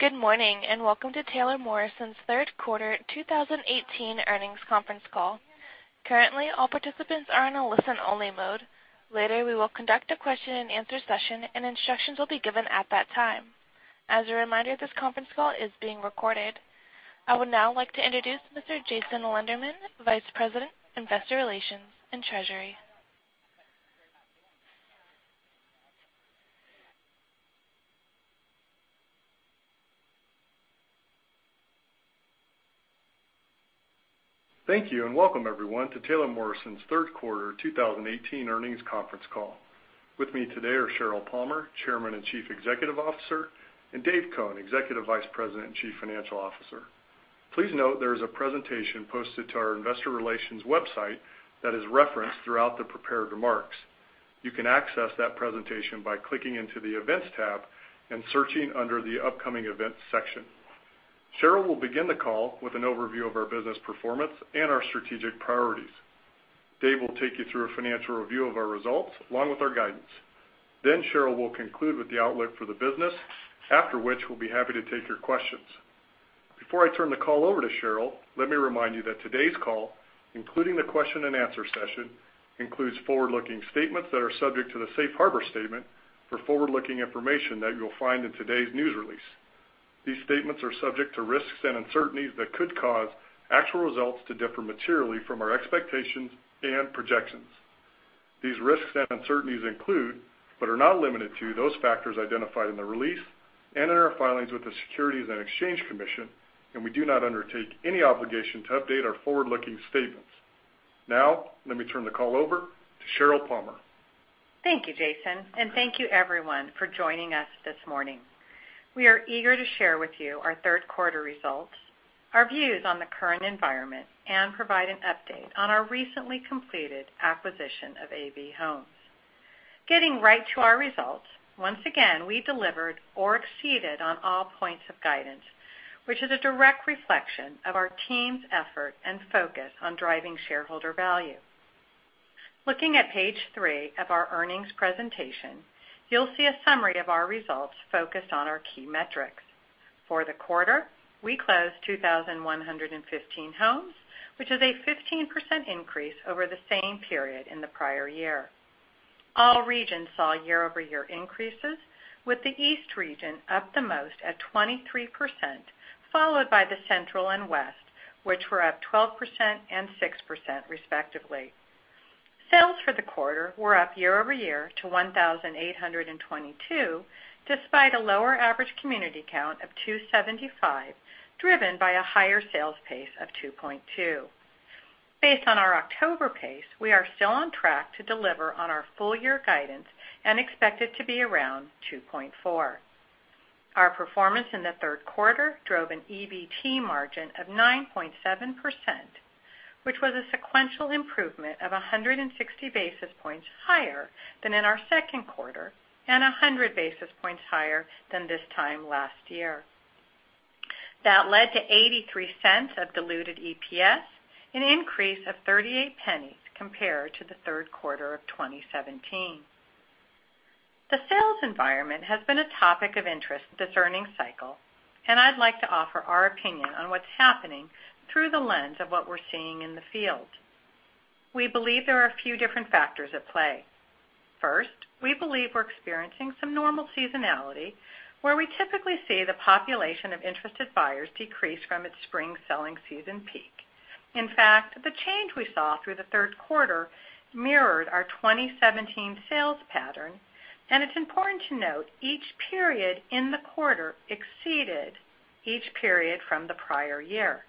Good morning and welcome to Taylor Morrison's third quarter 2018 earnings conference call. Currently, all participants are in a listen-only mode. Later, we will conduct a question-and-answer session, and instructions will be given at that time. As a reminder, this conference call is being recorded. I would now like to introduce Mr. Jason Lenderman, Vice President, Investor Relations and Treasury. Thank you and welcome, everyone, to Taylor Morrison's third quarter 2018 earnings conference call. With me today are Sheryl Palmer, Chairman and Chief Executive Officer, and Dave Cone, Executive Vice President and Chief Financial Officer. Please note there is a presentation posted to our Investor Relations website that is referenced throughout the prepared remarks. You can access that presentation by clicking into the Events tab and searching under the Upcoming Events section. Sheryl will begin the call with an overview of our business performance and our strategic priorities. Dave will take you through a financial review of our results along with our guidance. Then Sheryl will conclude with the outlook for the business, after which we'll be happy to take your questions. Before I turn the call over to Sheryl, let me remind you that today's call, including the question-and-answer session, includes forward-looking statements that are subject to the Safe Harbor Statement for forward-looking information that you'll find in today's news release. These statements are subject to risks and uncertainties that could cause actual results to differ materially from our expectations and projections. These risks and uncertainties include, but are not limited to, those factors identified in the release and in our filings with the Securities and Exchange Commission, and we do not undertake any obligation to update our forward-looking statements. Now, let me turn the call over to Sheryl Palmer. Thank you, Jason, and thank you, everyone, for joining us this morning. We are eager to share with you our third quarter results, our views on the current environment, and provide an update on our recently completed acquisition of AV Homes. Getting right to our results, once again, we delivered or exceeded on all points of guidance, which is a direct reflection of our team's effort and focus on driving shareholder value. Looking at page three of our earnings presentation, you'll see a summary of our results focused on our key metrics. For the quarter, we closed 2,115 homes, which is a 15% increase over the same period in the prior year. All regions saw year-over-year increases, with the East region up the most at 23%, followed by the Central and West, which were up 12% and 6%, respectively. Sales for the quarter were up year-over-year to 1,822, despite a lower average community count of 275, driven by a higher sales pace of 2.2. Based on our October pace, we are still on track to deliver on our full-year guidance and expect it to be around 2.4. Our performance in the third quarter drove an EBT margin of 9.7%, which was a sequential improvement of 160 basis points higher than in our second quarter and 100 basis points higher than this time last year. That led to $0.83 of diluted EPS, an increase of $0.38 compared to the third quarter of 2017. The sales environment has been a topic of interest this earnings cycle, and I'd like to offer our opinion on what's happening through the lens of what we're seeing in the field. We believe there are a few different factors at play. First, we believe we're experiencing some normal seasonality, where we typically see the population of interested buyers decrease from its spring selling season peak. In fact, the change we saw through the third quarter mirrored our 2017 sales pattern, and it's important to note each period in the quarter exceeded each period from the prior year.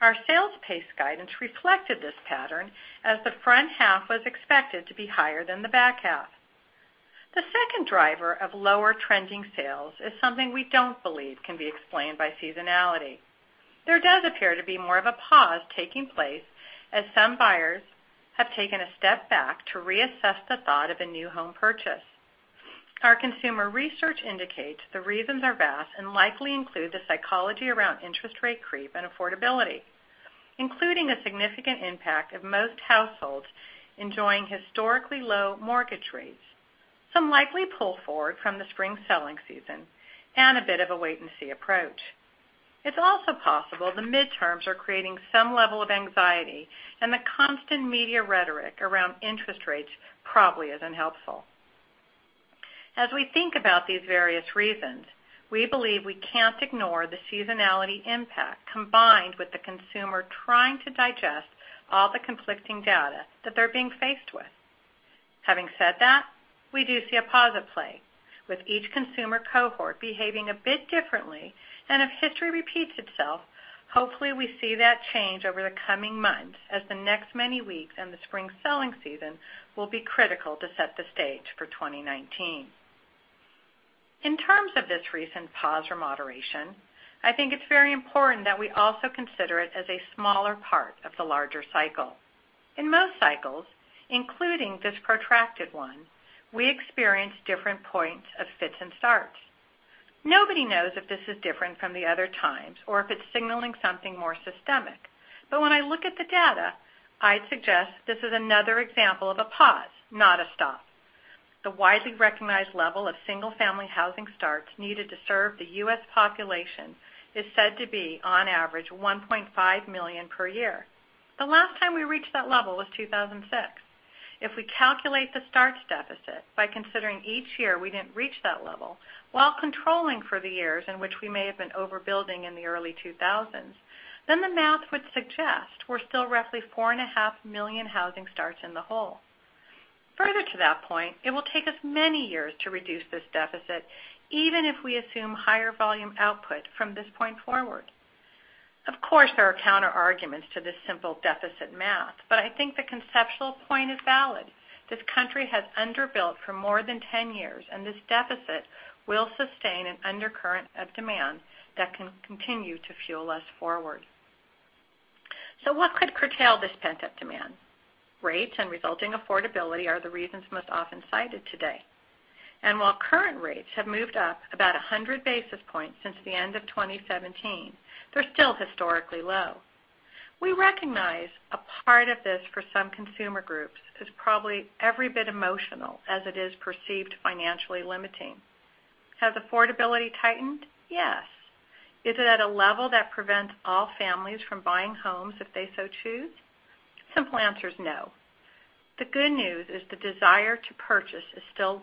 Our sales pace guidance reflected this pattern, as the front half was expected to be higher than the back half. The second driver of lower trending sales is something we don't believe can be explained by seasonality. There does appear to be more of a pause taking place as some buyers have taken a step back to reassess the thought of a new home purchase. Our consumer research indicates the reasons are vast and likely include the psychology around interest rate creep and affordability, including a significant impact of most households enjoying historically low mortgage rates, some likely pull forward from the spring selling season, and a bit of a wait-and-see approach. It's also possible the midterms are creating some level of anxiety, and the constant media rhetoric around interest rates probably isn't helpful. As we think about these various reasons, we believe we can't ignore the seasonality impact combined with the consumer trying to digest all the conflicting data that they're being faced with. Having said that, we do see a positive play, with each consumer cohort behaving a bit differently, and if history repeats itself, hopefully we see that change over the coming months as the next many weeks and the spring selling season will be critical to set the stage for 2019. In terms of this recent pause or moderation, I think it's very important that we also consider it as a smaller part of the larger cycle. In most cycles, including this protracted one, we experience different points of fits and starts. Nobody knows if this is different from the other times or if it's signaling something more systemic, but when I look at the data, I'd suggest this is another example of a pause, not a stop. The widely recognized level of single-family housing starts needed to serve the U.S. population is said to be, on average, 1.5 million per year. The last time we reached that level was 2006. If we calculate the starts deficit by considering each year we didn't reach that level, while controlling for the years in which we may have been overbuilding in the early 2000s, then the math would suggest we're still roughly 4.5 million housing starts in the hole. Further to that point, it will take us many years to reduce this deficit, even if we assume higher volume output from this point forward. Of course, there are counterarguments to this simple deficit math, but I think the conceptual point is valid. This country has underbuilt for more than 10 years, and this deficit will sustain an undercurrent of demand that can continue to fuel us forward. So what could curtail this pent-up demand? Rates and resulting affordability are the reasons most often cited today. And while current rates have moved up about 100 basis points since the end of 2017, they're still historically low. We recognize a part of this for some consumer groups is probably every bit emotional as it is perceived financially limiting. Has affordability tightened? Yes. Is it at a level that prevents all families from buying homes if they so choose? Simple answer is no. The good news is the desire to purchase is still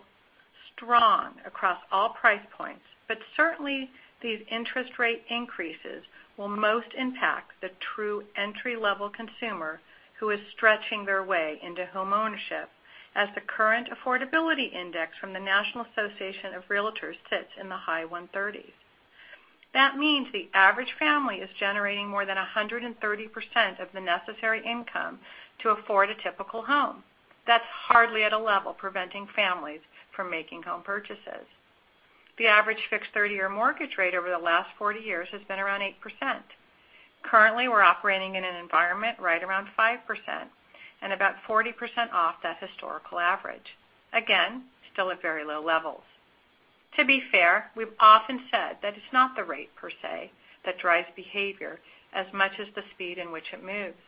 strong across all price points, but certainly these interest rate increases will most impact the true entry-level consumer who is stretching their way into homeownership, as the current affordability index from the National Association of Realtors sits in the high 130s. That means the average family is generating more than 130% of the necessary income to afford a typical home. That's hardly at a level preventing families from making home purchases. The average fixed 30-year mortgage rate over the last 40 years has been around 8%. Currently, we're operating in an environment right around 5% and about 40% off that historical average. Again, still at very low levels. To be fair, we've often said that it's not the rate per se that drives behavior as much as the speed in which it moves.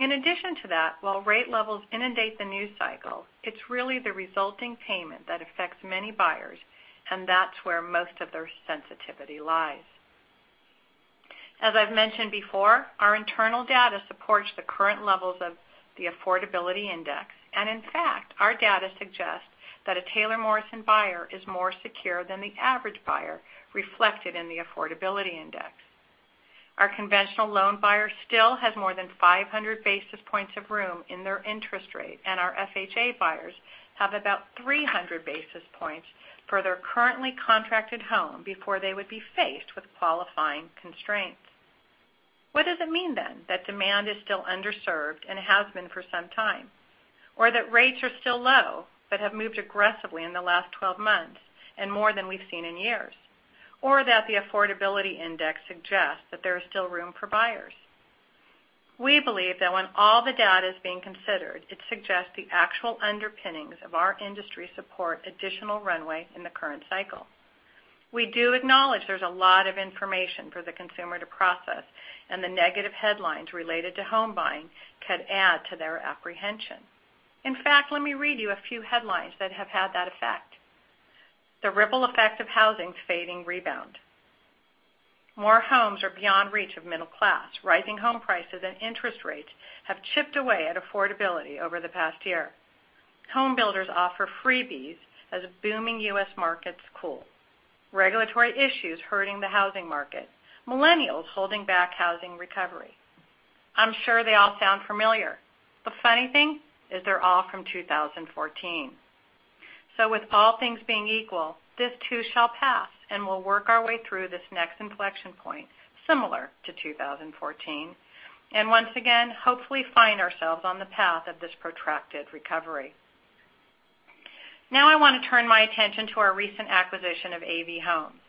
In addition to that, while rate levels inundate the news cycle, it's really the resulting payment that affects many buyers, and that's where most of their sensitivity lies. As I've mentioned before, our internal data supports the current levels of the affordability index, and in fact, our data suggests that a Taylor Morrison buyer is more secure than the average buyer reflected in the affordability index. Our conventional loan buyer still has more than 500 basis points of room in their interest rate, and our FHA buyers have about 300 basis points for their currently contracted home before they would be faced with qualifying constraints. What does it mean then that demand is still underserved and has been for some time, or that rates are still low but have moved aggressively in the last 12 months and more than we've seen in years, or that the affordability index suggests that there is still room for buyers? We believe that when all the data is being considered, it suggests the actual underpinnings of our industry support additional runway in the current cycle. We do acknowledge there's a lot of information for the consumer to process, and the negative headlines related to home buying could add to their apprehension. In fact, let me read you a few headlines that have had that effect. The ripple effect of housing's fading rebound. More homes are beyond reach of middle class. Rising home prices and interest rates have chipped away at affordability over the past year. Home builders offer freebies as booming U.S. markets cool. Regulatory issues hurting the housing market. Millennials holding back housing recovery. I'm sure they all sound familiar. The funny thing is they're all from 2014. So with all things being equal, this too shall pass and we'll work our way through this next inflection point similar to 2014, and once again, hopefully find ourselves on the path of this protracted recovery. Now I want to turn my attention to our recent acquisition of AV Homes.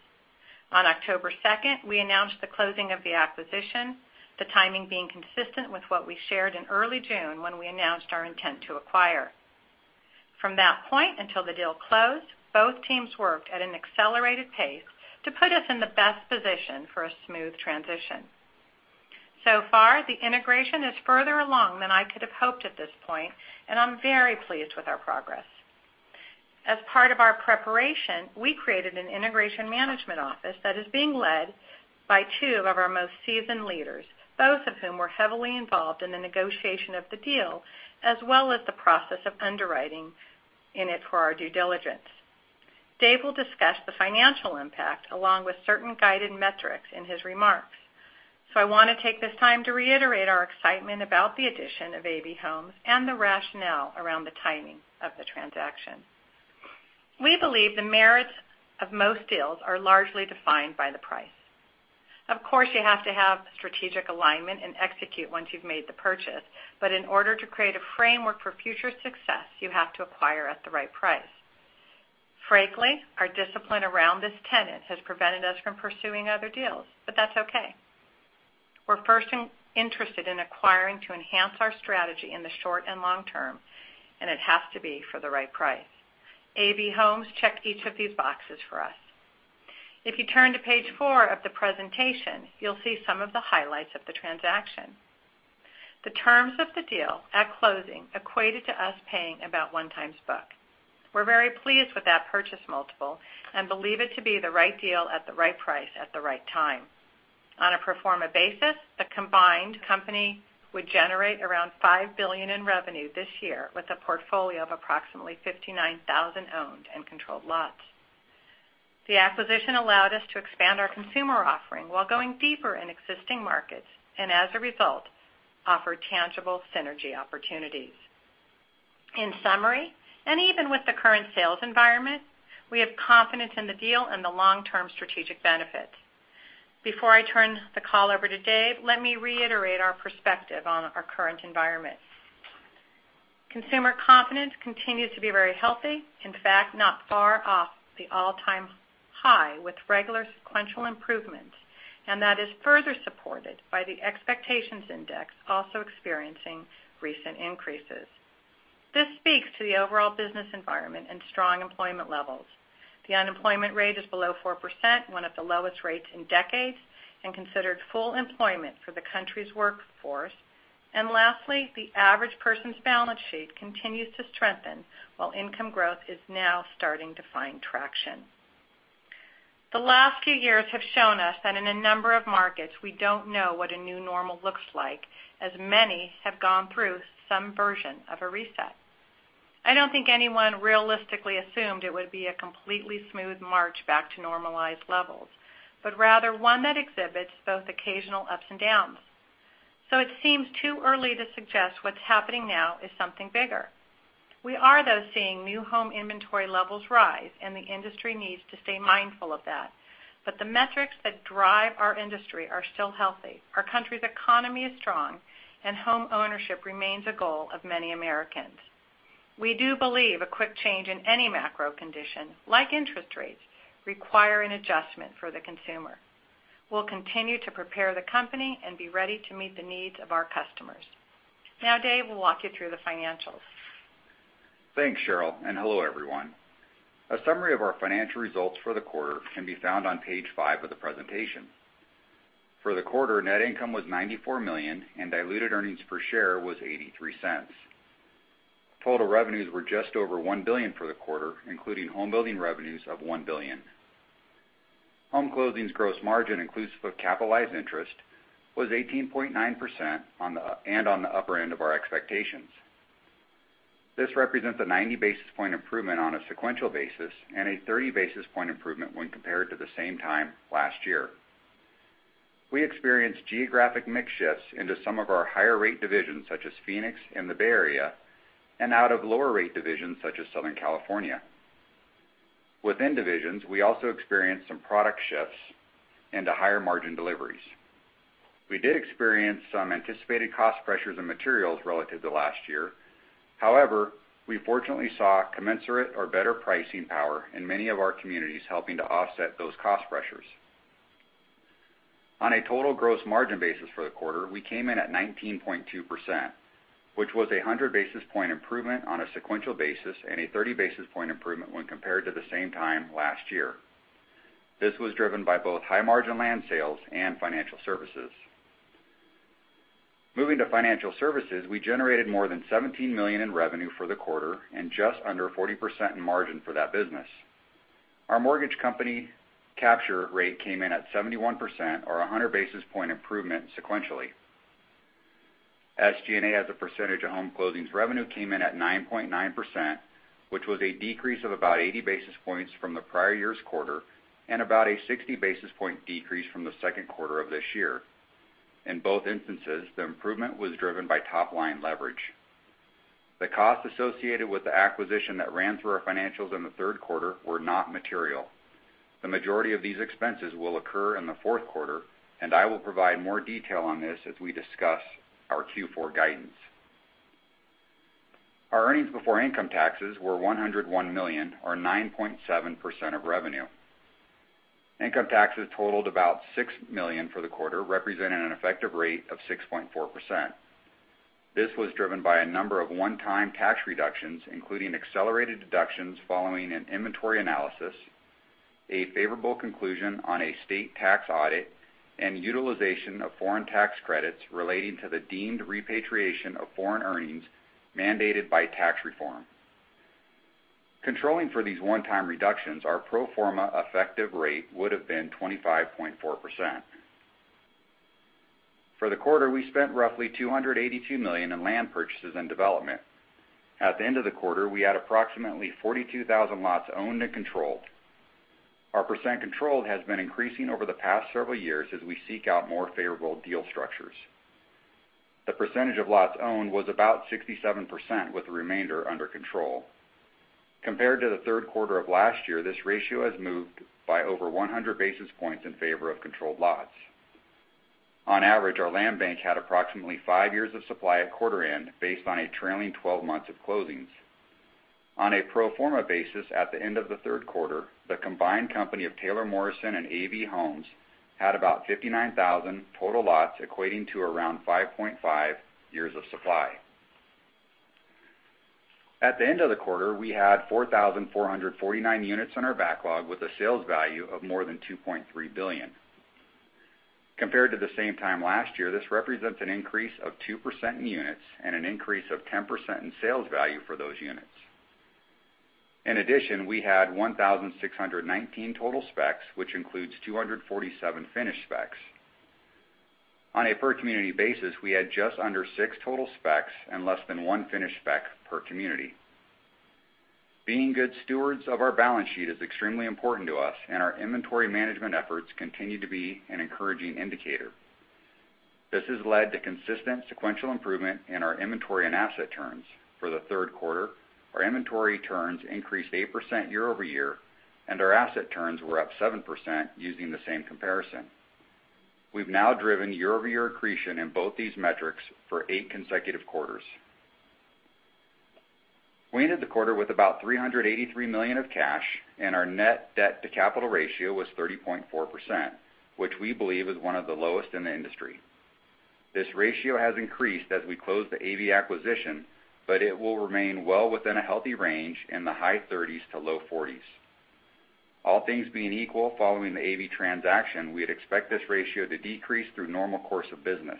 On October 2nd, we announced the closing of the acquisition, the timing being consistent with what we shared in early June when we announced our intent to acquire. From that point until the deal closed, both teams worked at an accelerated pace to put us in the best position for a smooth transition. So far, the integration is further along than I could have hoped at this point, and I'm very pleased with our progress. As part of our preparation, we created an Integration Management Office that is being led by two of our most seasoned leaders, both of whom were heavily involved in the negotiation of the deal as well as the process of underwriting in it for our due diligence. Dave will discuss the financial impact along with certain guided metrics in his remarks, so I want to take this time to reiterate our excitement about the addition of AV Homes and the rationale around the timing of the transaction. We believe the merits of most deals are largely defined by the price. Of course, you have to have strategic alignment and execute once you've made the purchase, but in order to create a framework for future success, you have to acquire at the right price. Frankly, our discipline around this tenet has prevented us from pursuing other deals, but that's okay. We're first interested in acquiring to enhance our strategy in the short and long term, and it has to be for the right price. AV Homes checked each of these boxes for us. If you turn to page four of the presentation, you'll see some of the highlights of the transaction. The terms of the deal at closing equated to us paying about one times book. We're very pleased with that purchase multiple and believe it to be the right deal at the right price at the right time. On a pro forma basis, the combined company would generate around $5 billion in revenue this year with a portfolio of approximately 59,000 owned and controlled lots. The acquisition allowed us to expand our consumer offering while going deeper in existing markets and, as a result, offer tangible synergy opportunities. In summary, and even with the current sales environment, we have confidence in the deal and the long-term strategic benefits. Before I turn the call over to Dave, let me reiterate our perspective on our current environment. Consumer confidence continues to be very healthy, in fact, not far off the all-time high with regular sequential improvements, and that is further supported by the expectations index also experiencing recent increases. This speaks to the overall business environment and strong employment levels. The unemployment rate is below 4%, one of the lowest rates in decades, and considered full employment for the country's workforce. And lastly, the average person's balance sheet continues to strengthen while income growth is now starting to find traction. The last few years have shown us that in a number of markets, we don't know what a new normal looks like, as many have gone through some version of a reset. I don't think anyone realistically assumed it would be a completely smooth march back to normalized levels, but rather one that exhibits both occasional ups and downs. So it seems too early to suggest what's happening now is something bigger. We are, though, seeing new home inventory levels rise, and the industry needs to stay mindful of that, but the metrics that drive our industry are still healthy. Our country's economy is strong, and homeownership remains a goal of many Americans. We do believe a quick change in any macro condition, like interest rates, requires an adjustment for the consumer. We'll continue to prepare the company and be ready to meet the needs of our customers. Now, Dave, we'll walk you through the financials. Thanks, Sheryl, and hello everyone. A summary of our financial results for the quarter can be found on page five of the presentation. For the quarter, net income was $94 million, and diluted earnings per share was $0.83. Total revenues were just over $1 billion for the quarter, including homebuilding revenues of $1 billion. Home closings gross margin, inclusive of capitalized interest, was 18.9% and on the upper end of our expectations. This represents a 90 basis point improvement on a sequential basis and a 30 basis point improvement when compared to the same time last year. We experienced geographic mix shifts into some of our higher rate divisions, such as Phoenix and the Bay Area, and out of lower rate divisions, such as Southern California. Within divisions, we also experienced some product shifts and higher margin deliveries. We did experience some anticipated cost pressures in materials relative to last year. However, we fortunately saw commensurate or better pricing power in many of our communities helping to offset those cost pressures. On a total gross margin basis for the quarter, we came in at 19.2%, which was a 100 basis point improvement on a sequential basis and a 30 basis point improvement when compared to the same time last year. This was driven by both high margin land sales and financial services. Moving to financial services, we generated more than $17 million in revenue for the quarter and just under 40% in margin for that business. Our mortgage company capture rate came in at 71%, or 100 basis point improvement sequentially. SG&A as a percentage of home closings revenue came in at 9.9%, which was a decrease of about 80 basis points from the prior year's quarter and about a 60 basis point decrease from the second quarter of this year. In both instances, the improvement was driven by top-line leverage. The costs associated with the acquisition that ran through our financials in the third quarter were not material. The majority of these expenses will occur in the fourth quarter, and I will provide more detail on this as we discuss our Q4 guidance. Our earnings before income taxes were $101 million, or 9.7% of revenue. Income taxes totaled about $6 million for the quarter, representing an effective rate of 6.4%. This was driven by a number of one-time tax reductions, including accelerated deductions following an inventory analysis, a favorable conclusion on a state tax audit, and utilization of foreign tax credits relating to the deemed repatriation of foreign earnings mandated by tax reform. Controlling for these one-time reductions, our pro forma effective rate would have been 25.4%. For the quarter, we spent roughly $282 million in land purchases and development. At the end of the quarter, we had approximately 42,000 lots owned and controlled. Our percent controlled has been increasing over the past several years as we seek out more favorable deal structures. The percentage of lots owned was about 67%, with the remainder under control. Compared to the third quarter of last year, this ratio has moved by over 100 basis points in favor of controlled lots. On average, our land bank had approximately five years of supply at quarter end based on a trailing 12 months of closings. On a pro forma basis, at the end of the third quarter, the combined company of Taylor Morrison and AV Homes had about 59,000 total lots, equating to around 5.5 years of supply. At the end of the quarter, we had 4,449 units in our backlog with a sales value of more than $2.3 billion. Compared to the same time last year, this represents an increase of 2% in units and an increase of 10% in sales value for those units. In addition, we had 1,619 total specs, which includes 247 finished specs. On a per-community basis, we had just under six total specs and less than one finished spec per community. Being good stewards of our balance sheet is extremely important to us, and our inventory management efforts continue to be an encouraging indicator. This has led to consistent sequential improvement in our inventory and asset turns. For the third quarter, our inventory turns increased 8% year-over-year, and our asset turns were up 7% using the same comparison. We've now driven year-over-year accretion in both these metrics for eight consecutive quarters. We ended the quarter with about $383 million in cash, and our net debt-to-capital ratio was 30.4%, which we believe is one of the lowest in the industry. This ratio has increased as we closed the AV acquisition, but it will remain well within a healthy range in the high 30s% to low 40s%. All things being equal, following the AV transaction, we'd expect this ratio to decrease through normal course of business.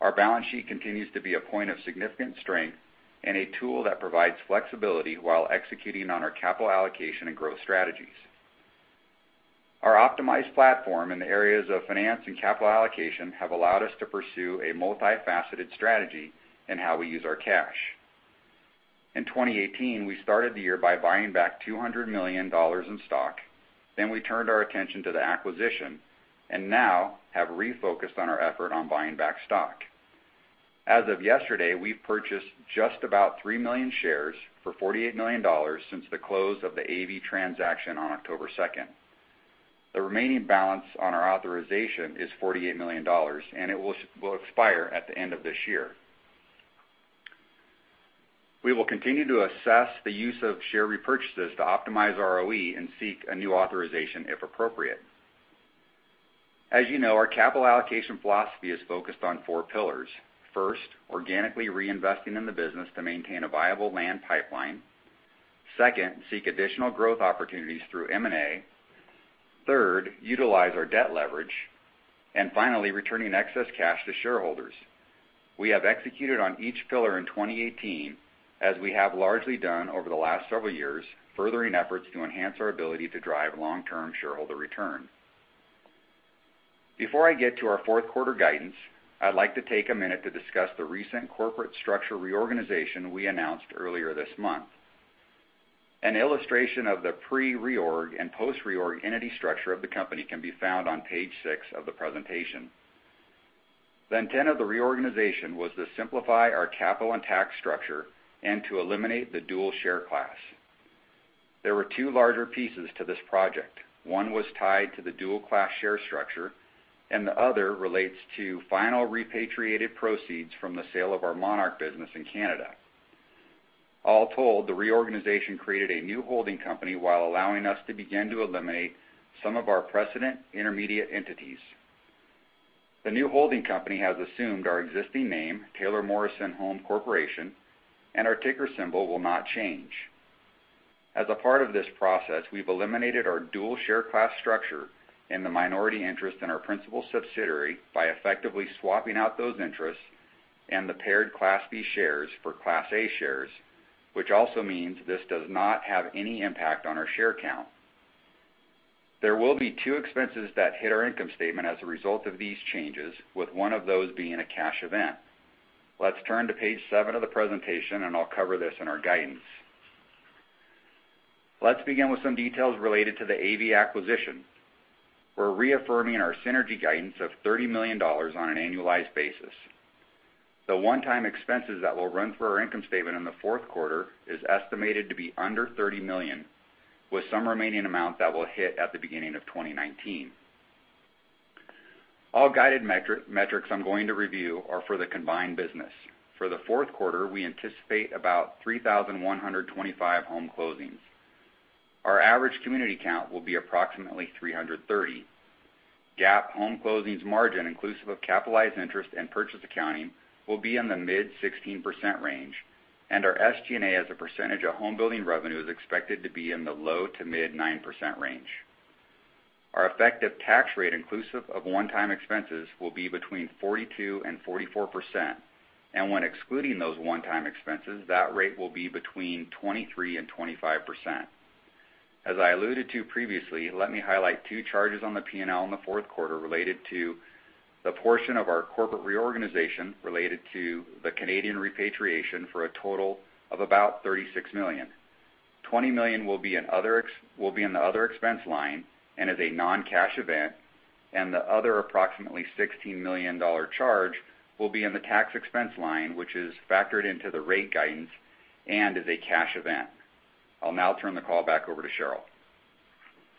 Our balance sheet continues to be a point of significant strength and a tool that provides flexibility while executing on our capital allocation and growth strategies. Our optimized platform in the areas of finance and capital allocation has allowed us to pursue a multifaceted strategy in how we use our cash. In 2018, we started the year by buying back $200 million in stock. Then we turned our attention to the acquisition and now have refocused on our effort on buying back stock. As of yesterday, we've purchased just about 3 million shares for $48 million since the close of the AV transaction on October 2nd. The remaining balance on our authorization is $48 million, and it will expire at the end of this year. We will continue to assess the use of share repurchases to optimize ROE and seek a new authorization if appropriate. As you know, our capital allocation philosophy is focused on four pillars. First, organically reinvesting in the business to maintain a viable land pipeline. Second, seek additional growth opportunities through M&A. Third, utilize our debt leverage. And finally, returning excess cash to shareholders. We have executed on each pillar in 2018, as we have largely done over the last several years, furthering efforts to enhance our ability to drive long-term shareholder return. Before I get to our fourth quarter guidance, I'd like to take a minute to discuss the recent corporate structure reorganization we announced earlier this month. An illustration of the pre-reorg and post-reorg entity structure of the company can be found on page six of the presentation. The intent of the reorganization was to simplify our capital and tax structure and to eliminate the dual share class. There were two larger pieces to this project. One was tied to the dual class share structure, and the other relates to final repatriated proceeds from the sale of our Monarch business in Canada. All told, the reorganization created a new holding company while allowing us to begin to eliminate some of our pre-existing intermediate entities. The new holding company has assumed our existing name, Taylor Morrison Home Corporation, and our ticker symbol will not change. As a part of this process, we've eliminated our dual share class structure and the minority interest in our principal subsidiary by effectively swapping out those interests and the paired Class B shares for Class A shares, which also means this does not have any impact on our share count. There will be two expenses that hit our income statement as a result of these changes, with one of those being a cash event. Let's turn to page seven of the presentation, and I'll cover this in our guidance. Let's begin with some details related to the AV acquisition. We're reaffirming our synergy guidance of $30 million on an annualized basis. The one-time expenses that will run through our income statement in the fourth quarter are estimated to be under $30 million, with some remaining amount that will hit at the beginning of 2019. All guided metrics I'm going to review are for the combined business. For the fourth quarter, we anticipate about 3,125 home closings. Our average community count will be approximately 330. GAAP home closings margin, inclusive of capitalized interest and purchase accounting, will be in the mid 16% range, and our SG&A as a percentage of homebuilding revenue is expected to be in the low to mid 9% range. Our effective tax rate, inclusive of one-time expenses, will be between 42% and 44%, and when excluding those one-time expenses, that rate will be between 23 and 25%. As I alluded to previously, let me highlight two charges on the P&L in the fourth quarter related to the portion of our corporate reorganization related to the Canadian repatriation for a total of about $36 million. $20 million will be in the other expense line and is a non-cash event, and the other approximately $16 million charge will be in the tax expense line, which is factored into the rate guidance and is a cash event. I'll now turn the call back over to Sheryl.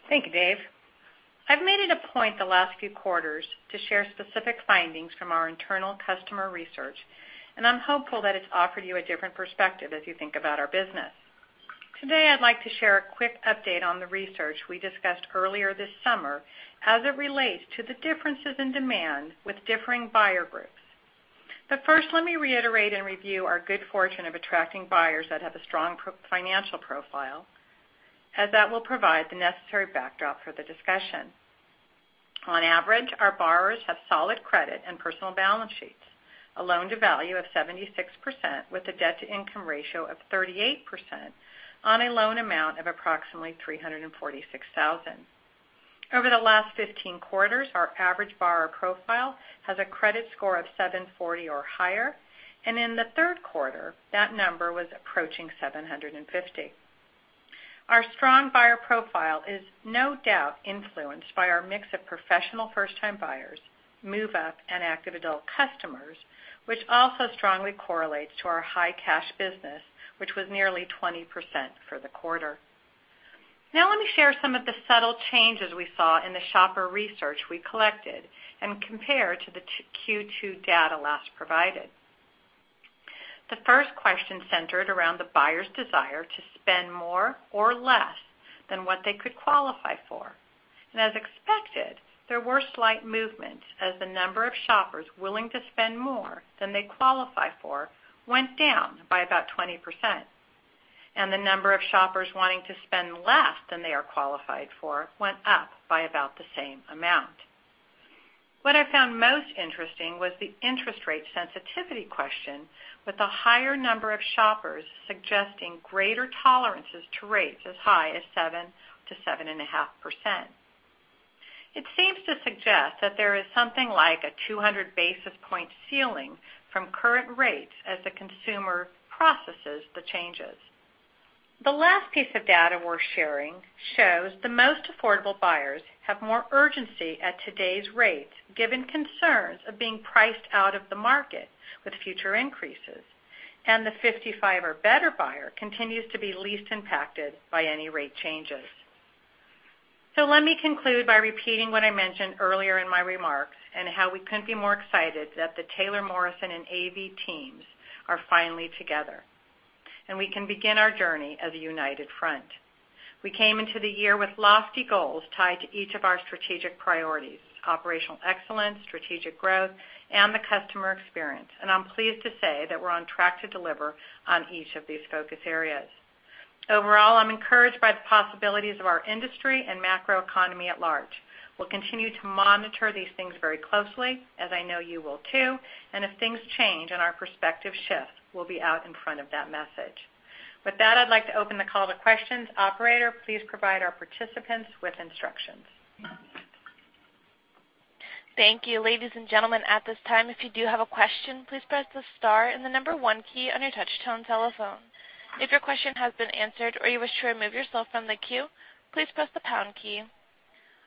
Thank you, Dave. I've made it a point the last few quarters to share specific findings from our internal customer research, and I'm hopeful that it's offered you a different perspective as you think about our business. Today, I'd like to share a quick update on the research we discussed earlier this summer as it relates to the differences in demand with differing buyer groups. But first, let me reiterate and review our good fortune of attracting buyers that have a strong financial profile, as that will provide the necessary backdrop for the discussion. On average, our borrowers have solid credit and personal balance sheets, a loan-to-value of 76%, with a debt-to-income ratio of 38% on a loan amount of approximately $346,000. Over the last 15 quarters, our average borrower profile has a credit score of 740 or higher, and in the third quarter, that number was approaching 750. Our strong buyer profile is no doubt influenced by our mix of professional first-time buyers, move-up, and active adult customers, which also strongly correlates to our high cash business, which was nearly 20% for the quarter. Now, let me share some of the subtle changes we saw in the shopper research we collected and compare to the Q2 data last provided. The first question centered around the buyer's desire to spend more or less than what they could qualify for. And as expected, there were slight movements as the number of shoppers willing to spend more than they qualify for went down by about 20%, and the number of shoppers wanting to spend less than they are qualified for went up by about the same amount. What I found most interesting was the interest rate sensitivity question, with a higher number of shoppers suggesting greater tolerances to rates as high as 7%-7.5%. It seems to suggest that there is something like a 200 basis points ceiling from current rates as the consumer processes the changes. The last piece of data we're sharing shows the most affordable buyers have more urgency at today's rates, given concerns of being priced out of the market with future increases, and the 55 or better buyer continues to be least impacted by any rate changes. So let me conclude by repeating what I mentioned earlier in my remarks and how we couldn't be more excited that the Taylor Morrison and AV teams are finally together, and we can begin our journey as a united front. We came into the year with lofty goals tied to each of our strategic priorities: operational excellence, strategic growth, and the customer experience, and I'm pleased to say that we're on track to deliver on each of these focus areas. Overall, I'm encouraged by the possibilities of our industry and macroeconomy at large. We'll continue to monitor these things very closely, as I know you will too, and if things change and our perspective shifts, we'll be out in front of that message. With that, I'd like to open the call to questions. Operator, please provide our participants with instructions. Thank you. Ladies and gentlemen, at this time, if you do have a question, please press the star and the number one key on your touch-tone telephone. If your question has been answered or you wish to remove yourself from the queue, please press the pound key.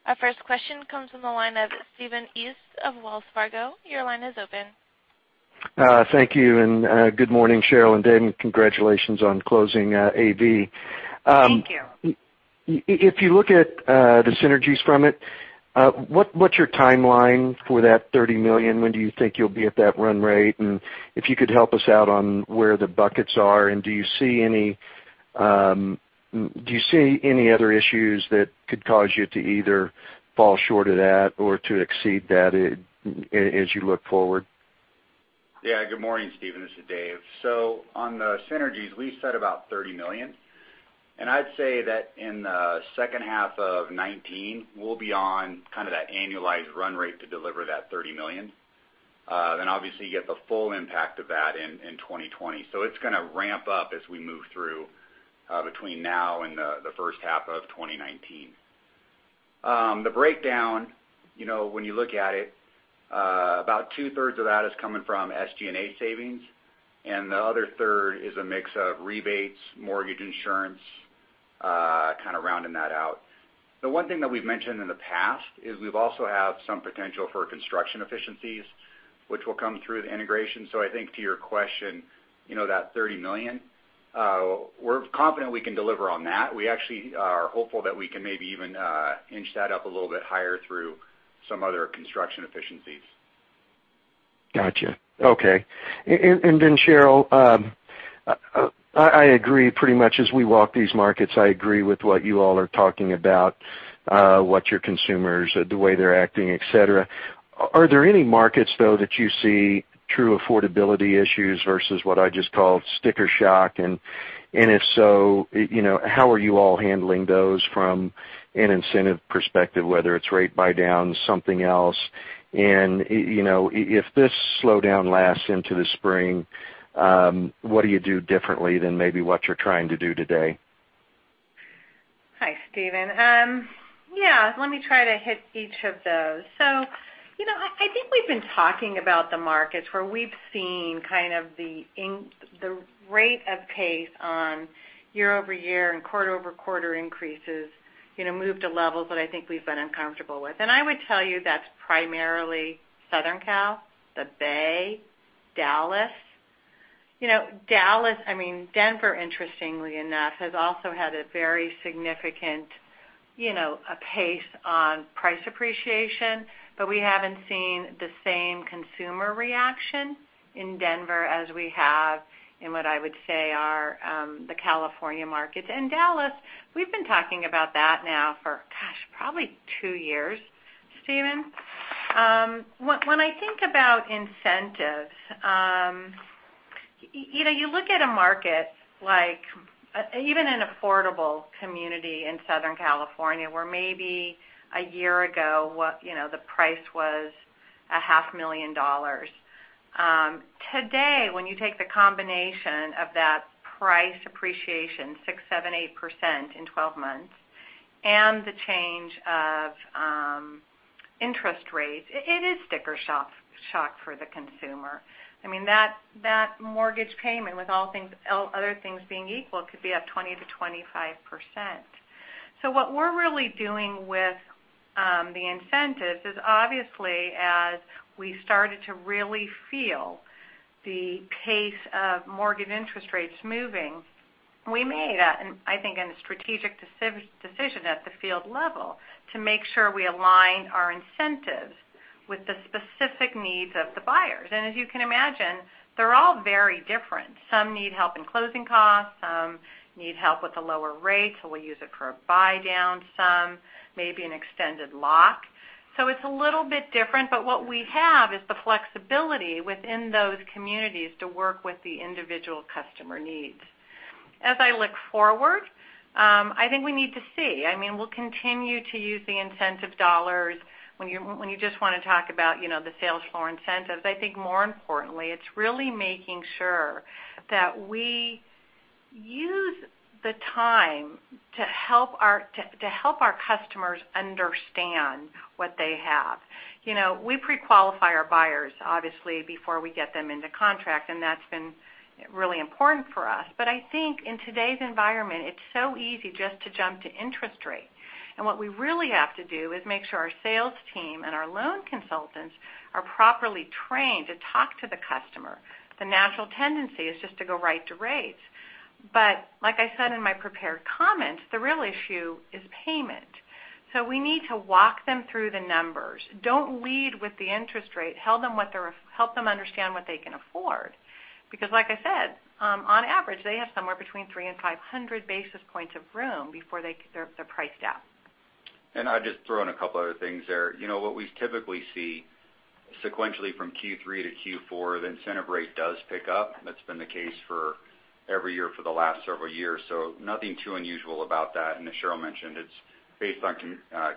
Our first question comes from the line of Stephen East of Wells Fargo. Your line is open. Thank you, and good morning, Sheryl and David. Congratulations on closing AV. Thank you. If you look at the synergies from it, what's your timeline for that $30 million? When do you think you'll be at that run rate? And if you could help us out on where the buckets are, and do you see any other issues that could cause you to either fall short of that or to exceed that as you look forward? Yeah. Good morning, Stephen. This is Dave. So on the synergies, we set about $30 million, and I'd say that in the second half of 2019, we'll be on kind of that annualized run rate to deliver that $30 million. Then obviously, you get the full impact of that in 2020. So it's going to ramp up as we move through between now and the first half of 2019. The breakdown, when you look at it, about two-thirds of that is coming from SG&A savings, and the other third is a mix of rebates, mortgage insurance, kind of rounding that out. The one thing that we've mentioned in the past is we also have some potential for construction efficiencies, which will come through the integration. So I think to your question, that $30 million, we're confident we can deliver on that. We actually are hopeful that we can maybe even inch that up a little bit higher through some other construction efficiencies. Gotcha. Okay. And then, Sheryl, I agree pretty much as we walk these markets, I agree with what you all are talking about, what your consumers, the way they're acting, etc. Are there any markets, though, that you see true affordability issues versus what I just called sticker shock? And if so, how are you all handling those from an incentive perspective, whether it's rate buydowns, something else? And if this slowdown lasts into the spring, what do you do differently than maybe what you're trying to do today? Hi, Stephen. Yeah. Let me try to hit each of those. So I think we've been talking about the markets where we've seen kind of the rate of pace on year-over-year and quarter-over-quarter increases move to levels that I think we've been uncomfortable with. And I would tell you that's primarily Southern Cal, the Bay, Dallas. Dallas, I mean, Denver, interestingly enough, has also had a very significant pace on price appreciation, but we haven't seen the same consumer reaction in Denver as we have in what I would say are the California markets. And Dallas, we've been talking about that now for, gosh, probably two years, Stephen. When I think about incentives, you look at a market like even an affordable community in Southern California where maybe a year ago the price was $500,000. Today, when you take the combination of that price appreciation, 6%-8% in 12 months, and the change of interest rates, it is sticker shock for the consumer. I mean, that mortgage payment, with all other things being equal, could be up 20%-25%, so what we're really doing with the incentives is obviously, as we started to really feel the pace of mortgage interest rates moving, we made, I think, a strategic decision at the field level to make sure we aligned our incentives with the specific needs of the buyers, and as you can imagine, they're all very different. Some need help in closing costs, some need help with the lower rates, so we'll use it for a buydown, some maybe an extended lock. So it's a little bit different, but what we have is the flexibility within those communities to work with the individual customer needs. As I look forward, I think we need to see. I mean, we'll continue to use the incentive dollars. When you just want to talk about the sales floor incentives, I think more importantly, it's really making sure that we use the time to help our customers understand what they have. We pre-qualify our buyers, obviously, before we get them into contract, and that's been really important for us. But I think in today's environment, it's so easy just to jump to interest rate. And what we really have to do is make sure our sales team and our loan consultants are properly trained to talk to the customer. The natural tendency is just to go right to rates. But like I said in my prepared comments, the real issue is payment. So we need to walk them through the numbers. Don't lead with the interest rate. Help them understand what they can afford. Because like I said, on average, they have somewhere between three and five hundred basis points of room before they're priced out. And I'll just throw in a couple other things there. What we typically see sequentially from Q3 to Q4, the incentive rate does pick up. That's been the case for every year for the last several years. So nothing too unusual about that. And as Sheryl mentioned, it's based on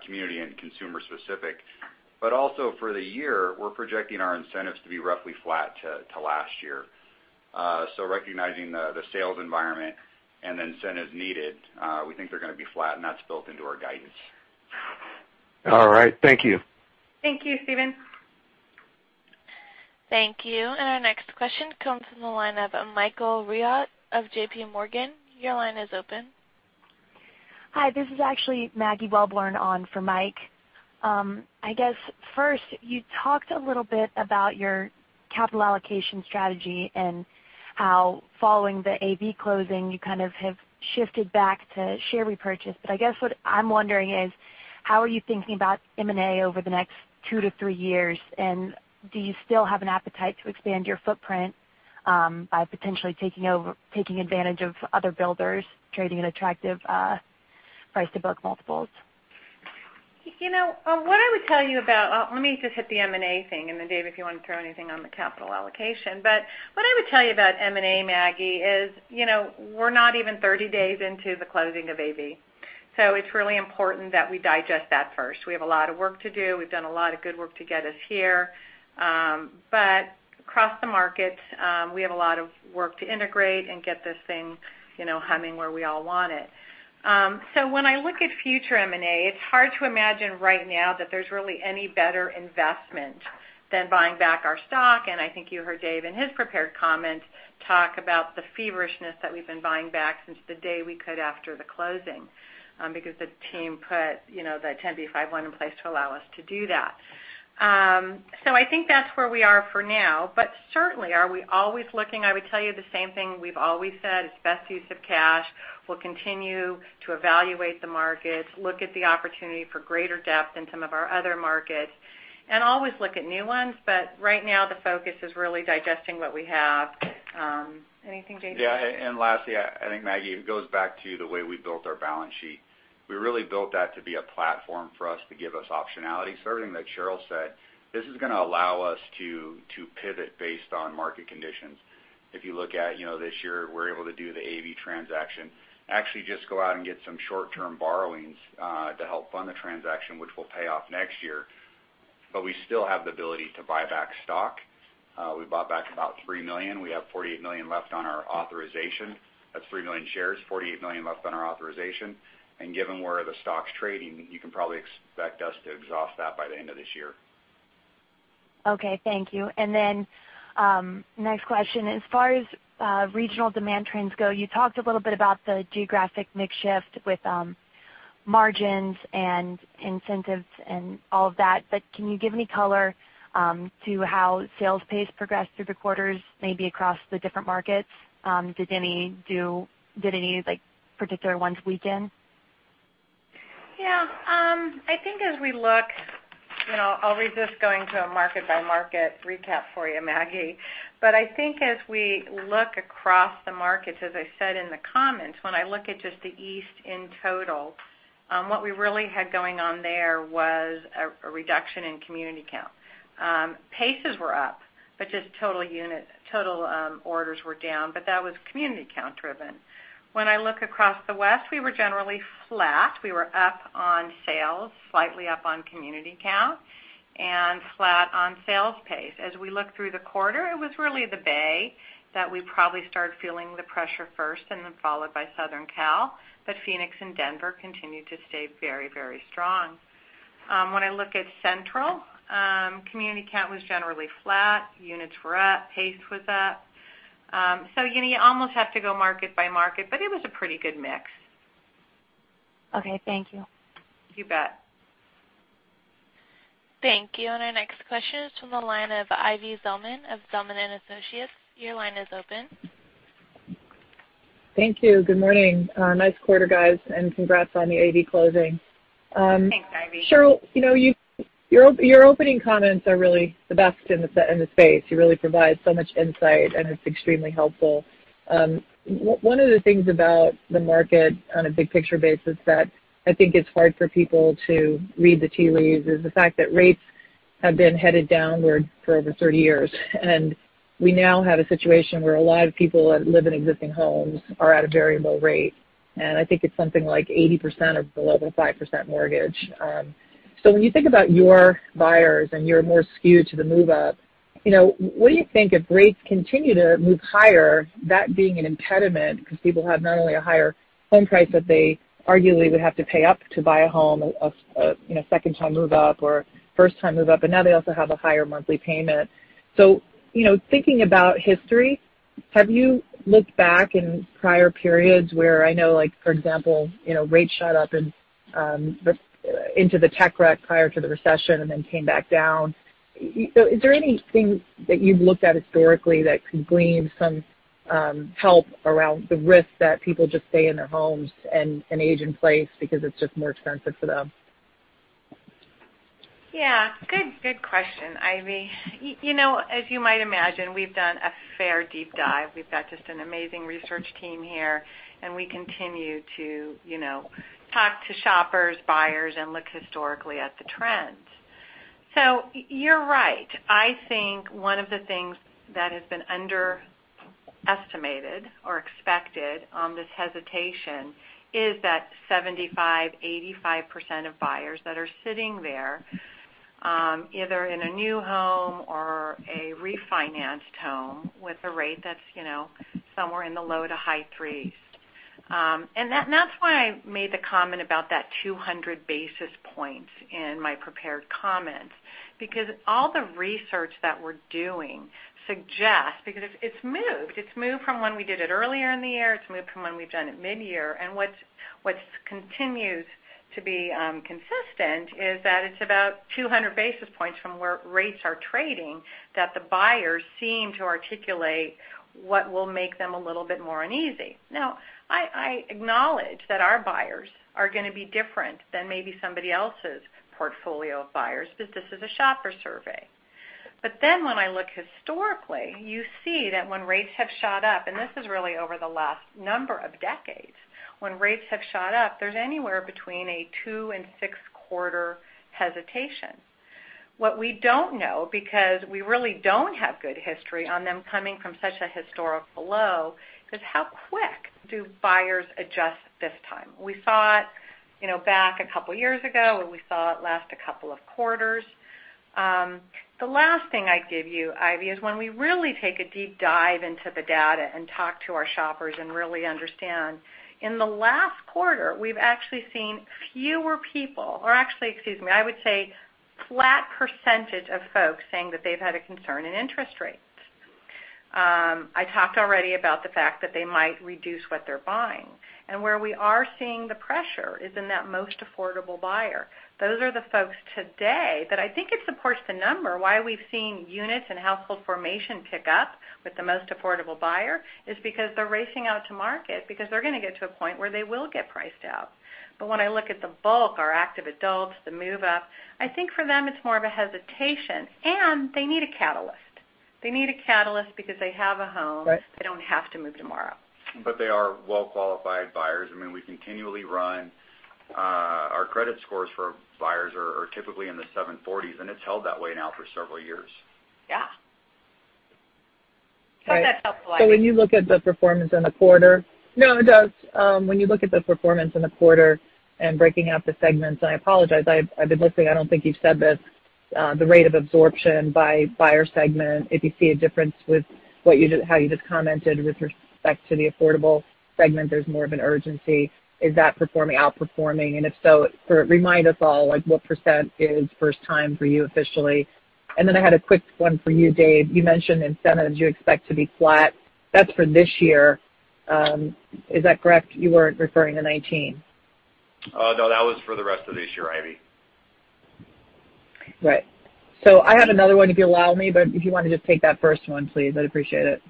community and consumer specific. But also for the year, we're projecting our incentives to be roughly flat to last year. So recognizing the sales environment and the incentives needed, we think they're going to be flat, and that's built into our guidance. All right. Thank you. Thank you, Stephen. Thank you. And our next question comes from the line of Michael Rehaut of JPMorgan. Your line is open. Hi. This is actually Maggie Wellborn on for Mike. I guess first, you talked a little bit about your capital allocation strategy and how following the AV closing, you kind of have shifted back to share repurchase. But I guess what I'm wondering is, how are you thinking about M&A over the next two to three years? And do you still have an appetite to expand your footprint by potentially taking advantage of other builders, trading at attractive price-to-book multiples? What I would tell you about let me just hit the M&A thing, and then David, if you want to throw anything on the capital allocation. But what I would tell you about M&A, Maggie, is we're not even 30 days into the closing of AV. So it's really important that we digest that first. We have a lot of work to do. We've done a lot of good work to get us here. But across the market, we have a lot of work to integrate and get this thing humming where we all want it. So when I look at future M&A, it's hard to imagine right now that there's really any better investment than buying back our stock. And I think you heard Dave in his prepared comment talk about the feverishness that we've been buying back since the day we could after the closing because the team put the 10b5-1 in place to allow us to do that. So I think that's where we are for now. But certainly, are we always looking? I would tell you the same thing we've always said: it's best use of cash. We'll continue to evaluate the markets, look at the opportunity for greater depth in some of our other markets, and always look at new ones. But right now, the focus is really digesting what we have. Anything, David? Yeah. And lastly, I think, Maggie, it goes back to the way we built our balance sheet. We really built that to be a platform for us to give us optionality. So everything that Sheryl said, this is going to allow us to pivot based on market conditions. If you look at this year, we're able to do the AV transaction, actually just go out and get some short-term borrowings to help fund the transaction, which will pay off next year. But we still have the ability to buy back stock. We bought back about 3 million. We have 48 million left on our authorization. That's 3 million shares, 48 million left on our authorization. And given where the stock's trading, you can probably expect us to exhaust that by the end of this year. Okay. Thank you. And then next question, as far as regional demand trends go, you talked a little bit about the geographic mix shift with margins and incentives and all of that. But can you give any color to how sales pace progressed through the quarters, maybe across the different markets? Did any particular ones weaken? Yeah. I think as we look, I'll resist going to a market-by-market recap for you, Maggie. But I think as we look across the markets, as I said in the comments, when I look at just the East in total, what we really had going on there was a reduction in community count. Paces were up, but just total orders were down, but that was community count driven. When I look across the West, we were generally flat. We were up on sales, slightly up on community count, and flat on sales pace. As we look through the quarter, it was really the Bay that we probably started feeling the pressure first and then followed by Southern Cal. But Phoenix and Denver continued to stay very, very strong. When I look at Central, community count was generally flat. Units were up. Pace was up. So you almost have to go market-by-market, but it was a pretty good mix. Okay. Thank you. You bet. Thank you. And our next question is from the line of Ivy Zelman of Zelman & Associates. Your line is open. Thank you. Good morning. Nice quarter, guys. And congrats on the AV closing. Thanks, Ivy. Sheryl, your opening comments are really the best in the space. You really provide so much insight, and it's extremely helpful. One of the things about the market on a big picture basis that I think is hard for people to read the tea leaves is the fact that rates have been headed downward for over 30 years. And we now have a situation where a lot of people that live in existing homes are at a variable rate. And I think it's something like 80% of the lower-than-5% mortgage. So when you think about your buyers and you're more skewed to the move-up, what do you think if rates continue to move higher, that being an impediment because people have not only a higher home price that they arguably would have to pay up to buy a home, a second-time move-up or first-time move-up, and now they also have a higher monthly payment? So thinking about history, have you looked back in prior periods where I know, for example, rates shot up into the tech crash prior to the recession and then came back down? Is there anything that you've looked at historically that could glean some help around the risk that people just stay in their homes and age in place because it's just more expensive for them? Yeah. Good question, Ivy. As you might imagine, we've done a fair deep dive. We've got just an amazing research team here, and we continue to talk to shoppers, buyers, and look historically at the trends. So you're right. I think one of the things that has been underestimated or expected on this hesitation is that 75%-85% of buyers that are sitting there either in a new home or a refinanced home with a rate that's somewhere in the low to high threes. And that's why I made the comment about that 200 basis points in my prepared comments because all the research that we're doing suggests because it's moved. It's moved from when we did it earlier in the year. It's moved from when we've done it mid-year. And what continues to be consistent is that it's about 200 basis points from where rates are trading that the buyers seem to articulate what will make them a little bit more uneasy. Now, I acknowledge that our buyers are going to be different than maybe somebody else's portfolio of buyers because this is a shopper survey. But then when I look historically, you see that when rates have shot up, and this is really over the last number of decades, when rates have shot up, there's anywhere between a two- and six-quarter hesitation. What we don't know because we really don't have good history on them coming from such a historical low is how quick do buyers adjust this time. We saw it back a couple of years ago, and we saw it last a couple of quarters. The last thing I'd give you, Ivy, is when we really take a deep dive into the data and talk to our shoppers and really understand, in the last quarter, we've actually seen fewer people or actually, excuse me, I would say flat percentage of folks saying that they've had a concern in interest rates. I talked already about the fact that they might reduce what they're buying, and where we are seeing the pressure is in that most affordable buyer. Those are the folks today that I think it supports the number. Why we've seen units and household formation pick up with the most affordable buyer is because they're racing out to market because they're going to get to a point where they will get priced out. But when I look at the bulk, our active adults, the move-up, I think for them it's more of a hesitation, and they need a catalyst. They need a catalyst because they have a home. They don't have to move tomorrow. But they are well-qualified buyers. I mean, we continually run our credit scores for buyers, are typically in the 740s, and it's held that way now for several years. Yeah. I hope that's helpful, Ivy. So when you look at the performance in the quarter, no, it does. When you look at the performance in the quarter and breaking out the segments, and I apologize. I've been listening. I don't think you've said this. The rate of absorption by buyer segment, if you see a difference with how you just commented with respect to the affordable segment, there's more of an urgency. Is that outperforming? And if so, remind us all what percent is first time for you officially? And then I had a quick one for you, Dave. You mentioned incentives. You expect to be flat. That's for this year. Is that correct? You weren't referring to 2019. No, that was for the rest of this year, Ivy. Right. So I have another one if you allow me, but if you want to just take that first one, please. I'd appreciate it.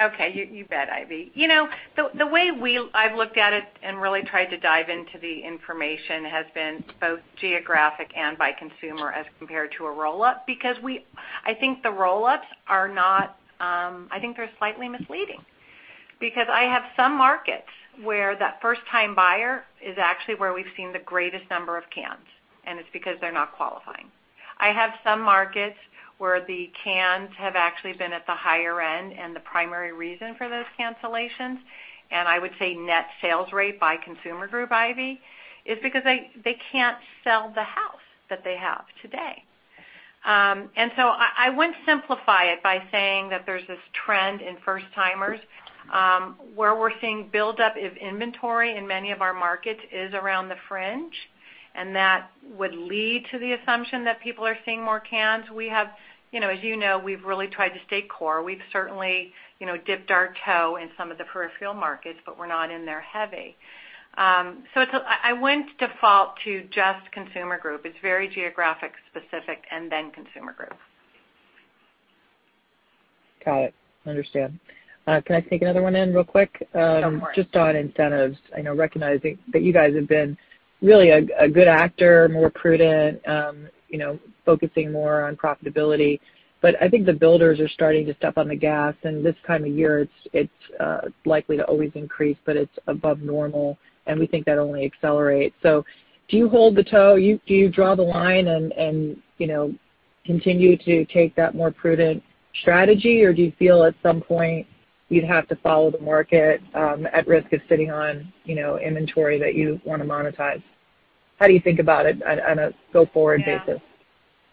Okay. You bet, Ivy. The way I've looked at it and really tried to dive into the information has been both geographic and by consumer as compared to a roll-up because I think the roll-ups are not. I think they're slightly misleading because I have some markets where that first-time buyer is actually where we've seen the greatest number of cancellations, and it's because they're not qualifying. I have some markets where the cans have actually been at the higher end, and the primary reason for those cancellations, and I would say net sales rate by consumer group, Ivy, is because they can't sell the house that they have today. And so I wouldn't simplify it by saying that there's this trend in first-timers where we're seeing build-up of inventory in many of our markets is around the fringe, and that would lead to the assumption that people are seeing more cans. As you know, we've really tried to stay core. We've certainly dipped our toe in some of the peripheral markets, but we're not in there heavy. So I wouldn't default to just consumer group. It's very geographic specific and then consumer group. Got it. Understood. Can I sneak another one in real quick? Don't worry. Just on incentives, recognizing that you guys have been really a good actor, more prudent, focusing more on profitability. But I think the builders are starting to step on the gas, and this time of year, it's likely to always increase, but it's above normal, and we think that'll only accelerate. So do you hold the line? Do you draw the line and continue to take that more prudent strategy, or do you feel at some point you'd have to follow the market at risk of sitting on inventory that you want to monetize? How do you think about it on a go-forward basis?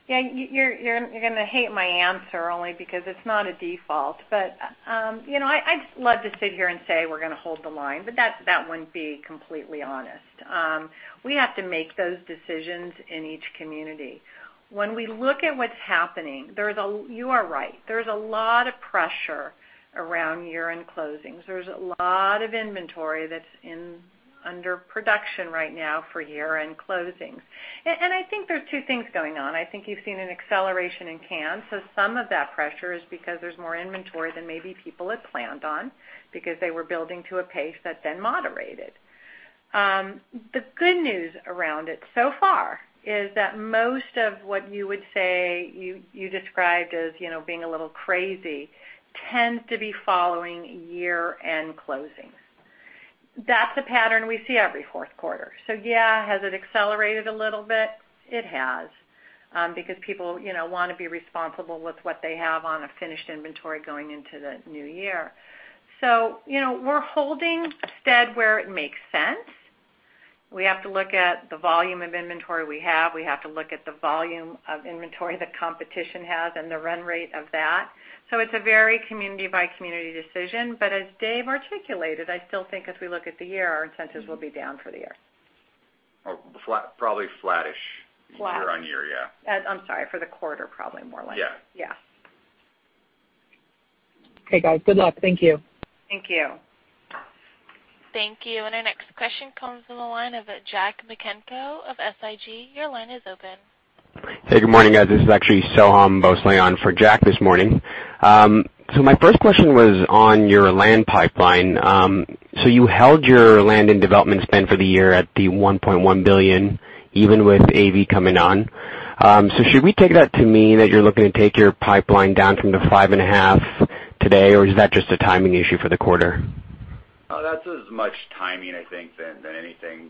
Yeah. You're going to hate my answer only because it's not a default, but I'd love to sit here and say we're going to hold the line, but that wouldn't be completely honest. We have to make those decisions in each community. When we look at what's happening, you are right. There's a lot of pressure around year-end closings. There's a lot of inventory that's under production right now for year-end closings, and I think there's two things going on. I think you've seen an acceleration in cancellations, so some of that pressure is because there's more inventory than maybe people had planned on because they were building to a pace that then moderated. The good news around it so far is that most of what you would say you described as being a little crazy tends to be following year-end closings. That's a pattern we see every fourth quarter. So yeah, has it accelerated a little bit? It has because people want to be responsible with what they have on a finished inventory going into the new year, so we're holding steady where it makes sense. We have to look at the volume of inventory we have. We have to look at the volume of inventory that competition has and the run rate of that. So it's a very community-by-community decision. But as Dave articulated, I still think as we look at the year, our incentives will be down for the year. Probably flattish year-on-year, yeah. I'm sorry. For the quarter, probably more likely. Yeah. Yeah. Okay, guys. Good luck. Thank you. Thank you. Thank you. And our next question comes from the line of Jack Micenko of SIG. Your line is open. Hey, good morning, guys. This is actually Soham Bhonsle for Jack this morning. So my first question was on your land pipeline. So you held your land and development spend for the year at the $1.1 billion, even with AV coming on. So should we take that to mean that you're looking to take your pipeline down from the 5.5 today, or is that just a timing issue for the quarter? Oh, that's as much timing, I think, than anything.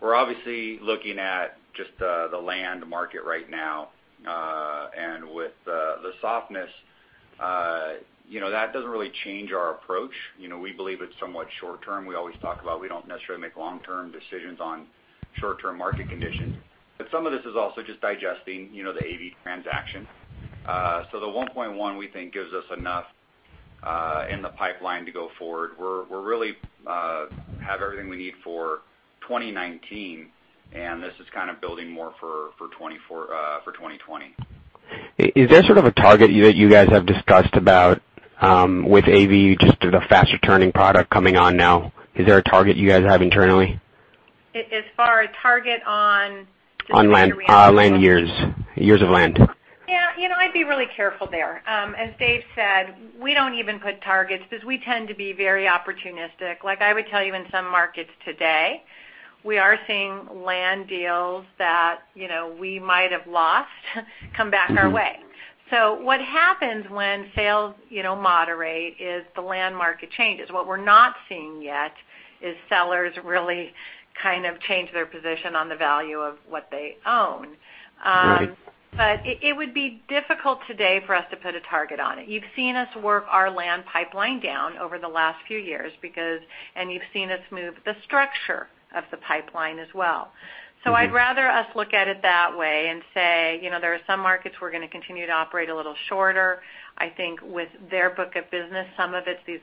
We're obviously looking at just the land market right now, and with the softness, that doesn't really change our approach. We believe it's somewhat short-term. We always talk about we don't necessarily make long-term decisions on short-term market conditions. But some of this is also just digesting the AV transaction. So the 1.1, we think, gives us enough in the pipeline to go forward. We really have everything we need for 2019, and this is kind of building more for 2020. Is there sort of a target that you guys have discussed about with AV, just the faster-turning product coming on now? Is there a target you guys have internally? As far as target on? On land. Years of land. Yeah. I'd be really careful there. As Dave said, we don't even put targets because we tend to be very opportunistic. Like I would tell you, in some markets today, we are seeing land deals that we might have lost come back our way. So what happens when sales moderate is the land market changes. What we're not seeing yet is sellers really kind of change their position on the value of what they own, but it would be difficult today for us to put a target on it. You've seen us work our land pipeline down over the last few years, and you've seen us move the structure of the pipeline as well, so I'd rather us look at it that way and say there are some markets we're going to continue to operate a little shorter. I think with their book of business, some of it's these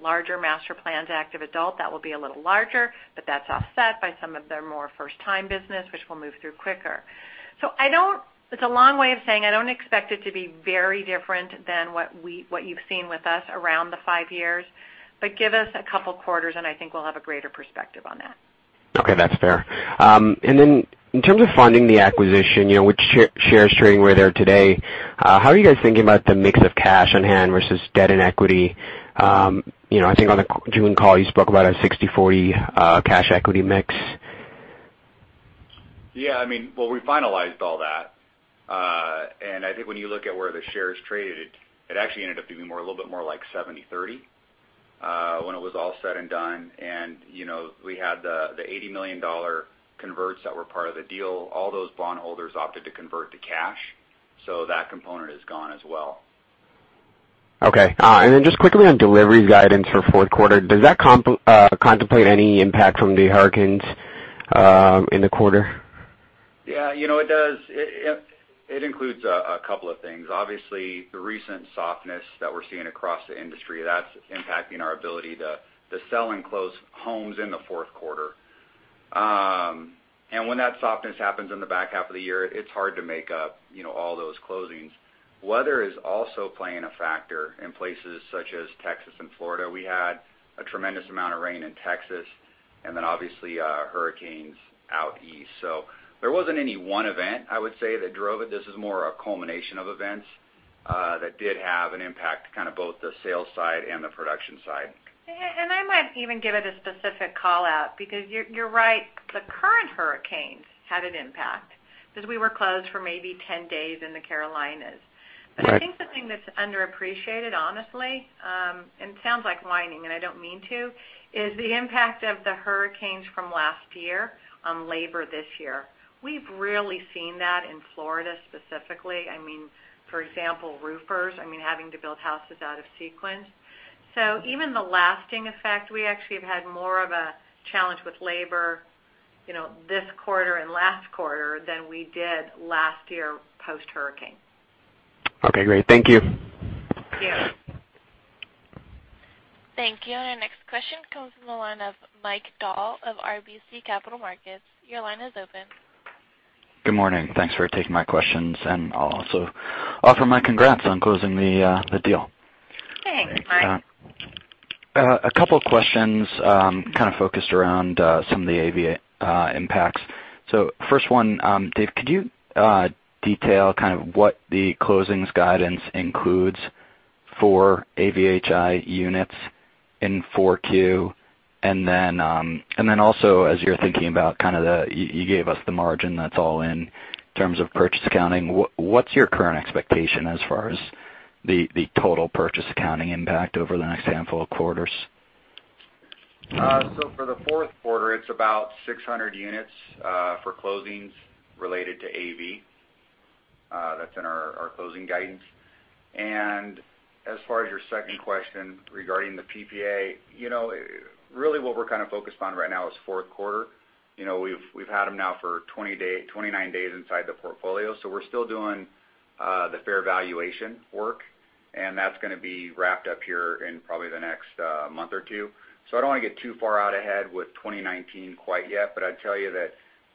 larger master plans active adult that will be a little larger, but that's offset by some of their more first-time business, which we'll move through quicker. So it's a long way of saying I don't expect it to be very different than what you've seen with us around the five years, but give us a couple of quarters, and I think we'll have a greater perspective on that. Okay. That's fair. And then in terms of funding the acquisition, which shares trading where they're today, how are you guys thinking about the mix of cash on hand versus debt and equity? I think on the June call, you spoke about a 60/40 cash equity mix. Yeah. I mean, well, we finalized all that, and I think when you look at where the shares traded, it actually ended up being a little bit more like 70/30 when it was all said and done. And we had the $80 million converts that were part of the deal. All those bondholders opted to convert to cash, so that component is gone as well. Okay. And then just quickly on delivery guidance for fourth quarter, does that contemplate any impact from the hurricanes in the quarter? Yeah. It does. It includes a couple of things. Obviously, the recent softness that we're seeing across the industry, that's impacting our ability to sell and close homes in the fourth quarter. And when that softness happens in the back half of the year, it's hard to make up all those closings. Weather is also playing a factor in places such as Texas and Florida. We had a tremendous amount of rain in Texas and then obviously hurricanes out east. So there wasn't any one event, I would say, that drove it. This is more a culmination of events that did have an impact on kind of both the sales side and the production side. And I might even give it a specific call out because you're right. The current hurricanes had an impact because we were closed for maybe 10 days in the Carolinas. But I think the thing that's underappreciated, honestly, and it sounds like whining, and I don't mean to, is the impact of the hurricanes from last year on labor this year. We've really seen that in Florida specifically. I mean, for example, roofers, I mean, having to build houses out of sequence. So even the lasting effect, we actually have had more of a challenge with labor this quarter and last quarter than we did last year post-hurricane. Okay. Great. Thank you. Thank you. Thank you. And our next question comes from the line of Mike Dahl of RBC Capital Markets. Your line is open. Good morning. Thanks for taking my questions, and I'll also offer my congrats on closing the deal. Thanks, Mike. A couple of questions kind of focused around some of the AV Homes impacts. So first one, Dave, could you detail kind of what the closings guidance includes for AV Homes units in 4Q? And then also, as you're thinking about kind of the you gave us the margin that's all in terms of purchase accounting, what's your current expectation as far as the total purchase accounting impact over the next handful of quarters? So for the fourth quarter, it's about 600 units for closings related to AV. That's in our closing guidance. And as far as your second question regarding the PPA, really what we're kind of focused on right now is fourth quarter. We've had them now for 29 days inside the portfolio, so we're still doing the fair valuation work, and that's going to be wrapped up here in probably the next month or two. So I don't want to get too far out ahead with 2019 quite yet, but I'd tell you that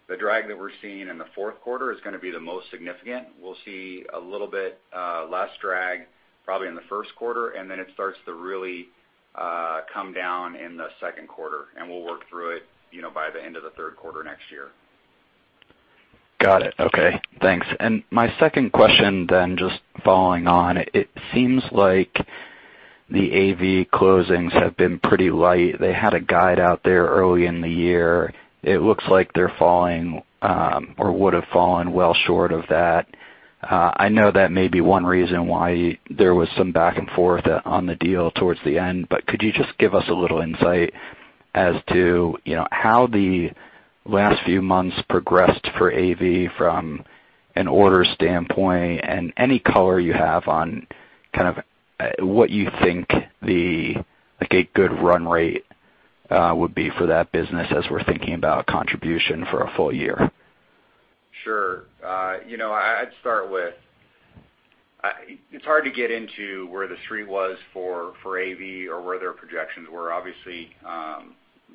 the drag that we're seeing in the fourth quarter is going to be the most significant. We'll see a little bit less drag probably in the first quarter, and then it starts to really come down in the second quarter, and we'll work through it by the end of the third quarter next year. Got it. Okay. Thanks. And my second question then, just following on, it seems like the AV closings have been pretty light. They had a guide out there early in the year. It looks like they're falling or would have fallen well short of that. I know that may be one reason why there was some back and forth on the deal towards the end, but could you just give us a little insight as to how the last few months progressed for AV from an order standpoint and any color you have on kind of what you think a good run rate would be for that business as we're thinking about contribution for a full year? Sure. I'd start with, it's hard to get into where the street was for AV or where their projections were. Obviously,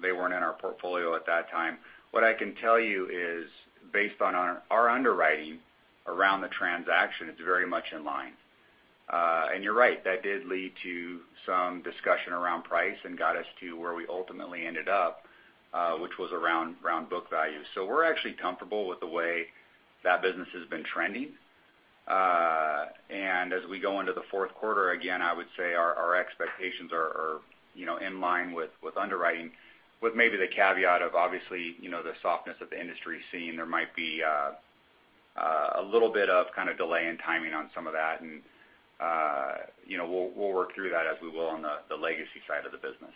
they weren't in our portfolio at that time. What I can tell you is based on our underwriting around the transaction, it's very much in line. And you're right. That did lead to some discussion around price and got us to where we ultimately ended up, which was around book value. So we're actually comfortable with the way that business has been trending. And as we go into the fourth quarter, again, I would say our expectations are in line with underwriting, with maybe the caveat of obviously the softness that the industry is seeing. There might be a little bit of kind of delay in timing on some of that, and we'll work through that as we will on the legacy side of the business.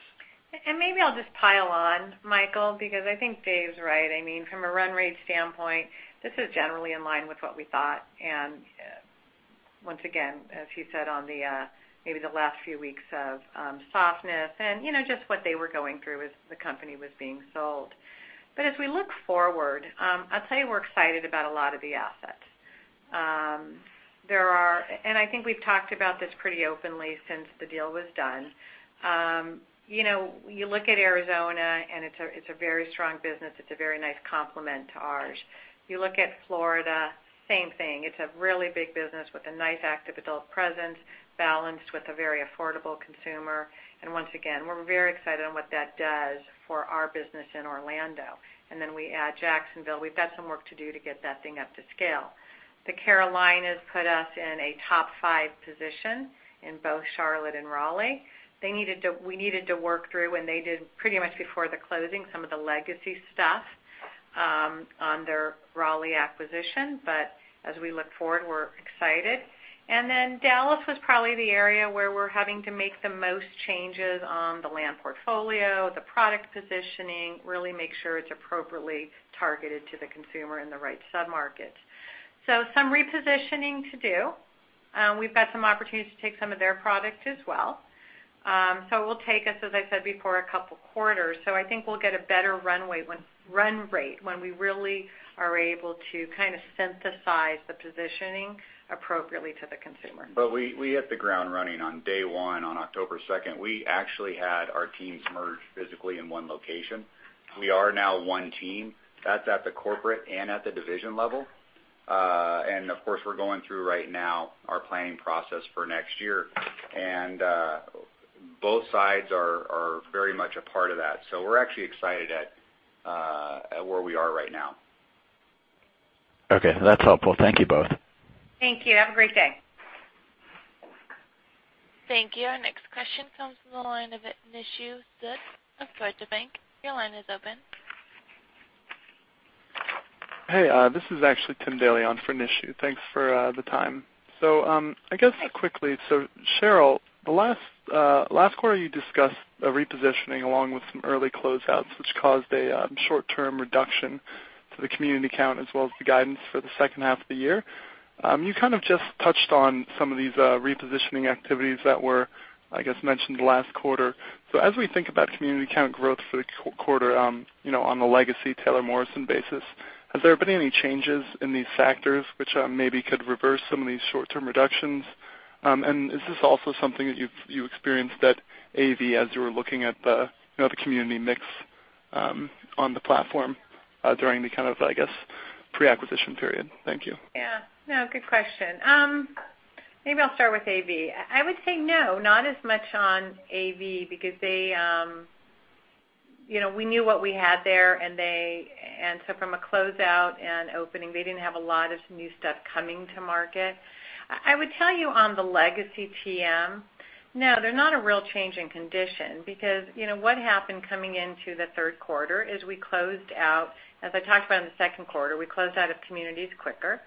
And maybe I'll just pile on, Michael, because I think Dave's right. I mean, from a run rate standpoint, this is generally in line with what we thought. And once again, as he said on maybe the last few weeks of softness and just what they were going through as the company was being sold. But as we look forward, I'll tell you we're excited about a lot of the assets. And I think we've talked about this pretty openly since the deal was done. You look at Arizona, and it's a very strong business. It's a very nice complement to ours. You look at Florida, same thing. It's a really big business with a nice active adult presence balanced with a very affordable consumer. And once again, we're very excited on what that does for our business in Orlando. And then we add Jacksonville. We've got some work to do to get that thing up to scale. The Carolinas put us in a top five position in both Charlotte and Raleigh. We needed to work through, and they did pretty much before the closing, some of the legacy stuff on their Raleigh acquisition, but as we look forward, we're excited, and then Dallas was probably the area where we're having to make the most changes on the land portfolio, the product positioning, really make sure it's appropriately targeted to the consumer in the right submarkets, so some repositioning to do. We've got some opportunities to take some of their product as well, so it will take us, as I said before, a couple of quarters, so I think we'll get a better run rate when we really are able to kind of synthesize the positioning appropriately to the consumer. But we hit the ground running on day one on October 2nd. We actually had our teams merge physically in one location. We are now one team. That's at the corporate and at the division level. And of course, we're going through right now our planning process for next year, and both sides are very much a part of that. So we're actually excited at where we are right now. Okay. That's helpful. Thank you both. Thank you. Have a great day. Thank you. Our next question comes from the line of Nishu Sood of Deutsche Bank. Your line is open. Hey, this is actually Tim Daley on for Nishu. Thanks for the time. So I guess quickly, so Sheryl, the last quarter you discussed repositioning along with some early closeouts, which caused a short-term reduction to the community count as well as the guidance for the second half of the year. You kind of just touched on some of these repositioning activities that were, I guess, mentioned last quarter. So as we think about community count growth for the quarter on the legacy Taylor Morrison basis, has there been any changes in these factors which maybe could reverse some of these short-term reductions? And is this also something that you experienced at AV as you were looking at the community mix on the platform during the kind of, I guess, pre-acquisition period? Thank you. Yeah. No, good question. Maybe I'll start with AV. I would say no, not as much on AV because we knew what we had there, and so from a closeout and opening, they didn't have a lot of new stuff coming to market. I would tell you on the legacy TM, no, they're not a real change in condition because what happened coming into the third quarter is we closed out, as I talked about in the second quarter, we closed out of communities quicker.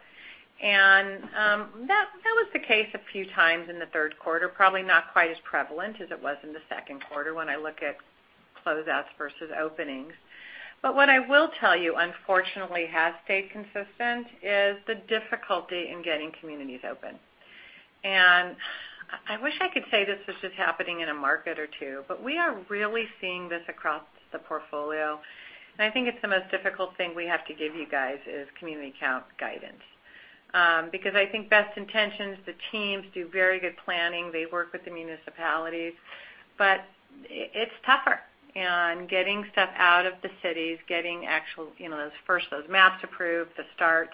That was the case a few times in the third quarter, probably not quite as prevalent as it was in the second quarter when I look at closeouts versus openings. But what I will tell you, unfortunately, has stayed consistent is the difficulty in getting communities open. And I wish I could say this was just happening in a market or two, but we are really seeing this across the portfolio. And I think it's the most difficult thing we have to give you guys is community count guidance because I think best intentions, the teams do very good planning. They work with the municipalities, but it's tougher on getting stuff out of the cities, getting actually first those maps approved, the starts.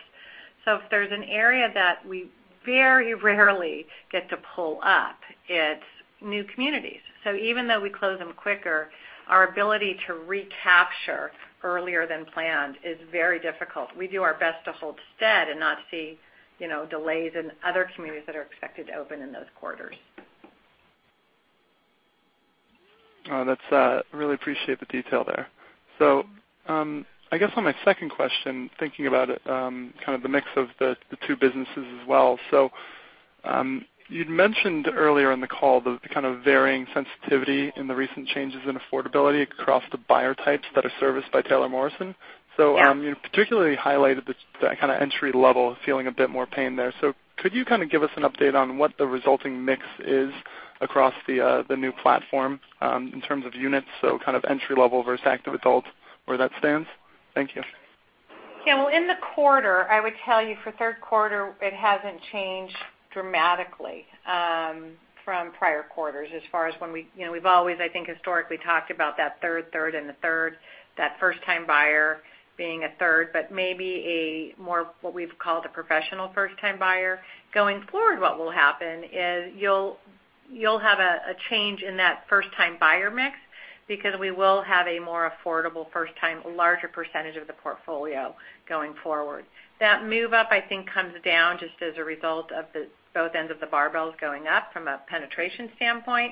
So if there's an area that we very rarely get to pull up, it's new communities. So even though we close them quicker, our ability to recapture earlier than planned is very difficult. We do our best to hold steady and not see delays in other communities that are expected to open in those quarters. I really appreciate the detail there. So I guess on my second question, thinking about kind of the mix of the two businesses as well. So you'd mentioned earlier on the call the kind of varying sensitivity in the recent changes in affordability across the buyer types that are serviced by Taylor Morrison. So you particularly highlighted the kind of entry-level feeling a bit more pain there. So could you kind of give us an update on what the resulting mix is across the new platform in terms of units, so kind of entry-level versus active adult, where that stands? Thank you. Yeah. In the quarter, I would tell you for third quarter, it hasn't changed dramatically from prior quarters as far as when we've always, I think, historically talked about that third, third, and the third, that first-time buyer being a third, but maybe a more what we've called a professional first-time buyer. Going forward, what will happen is you'll have a change in that first-time buyer mix because we will have a more affordable first-time, larger percentage of the portfolio going forward. That move-up, I think, comes down just as a result of both ends of the barbells going up from a penetration standpoint.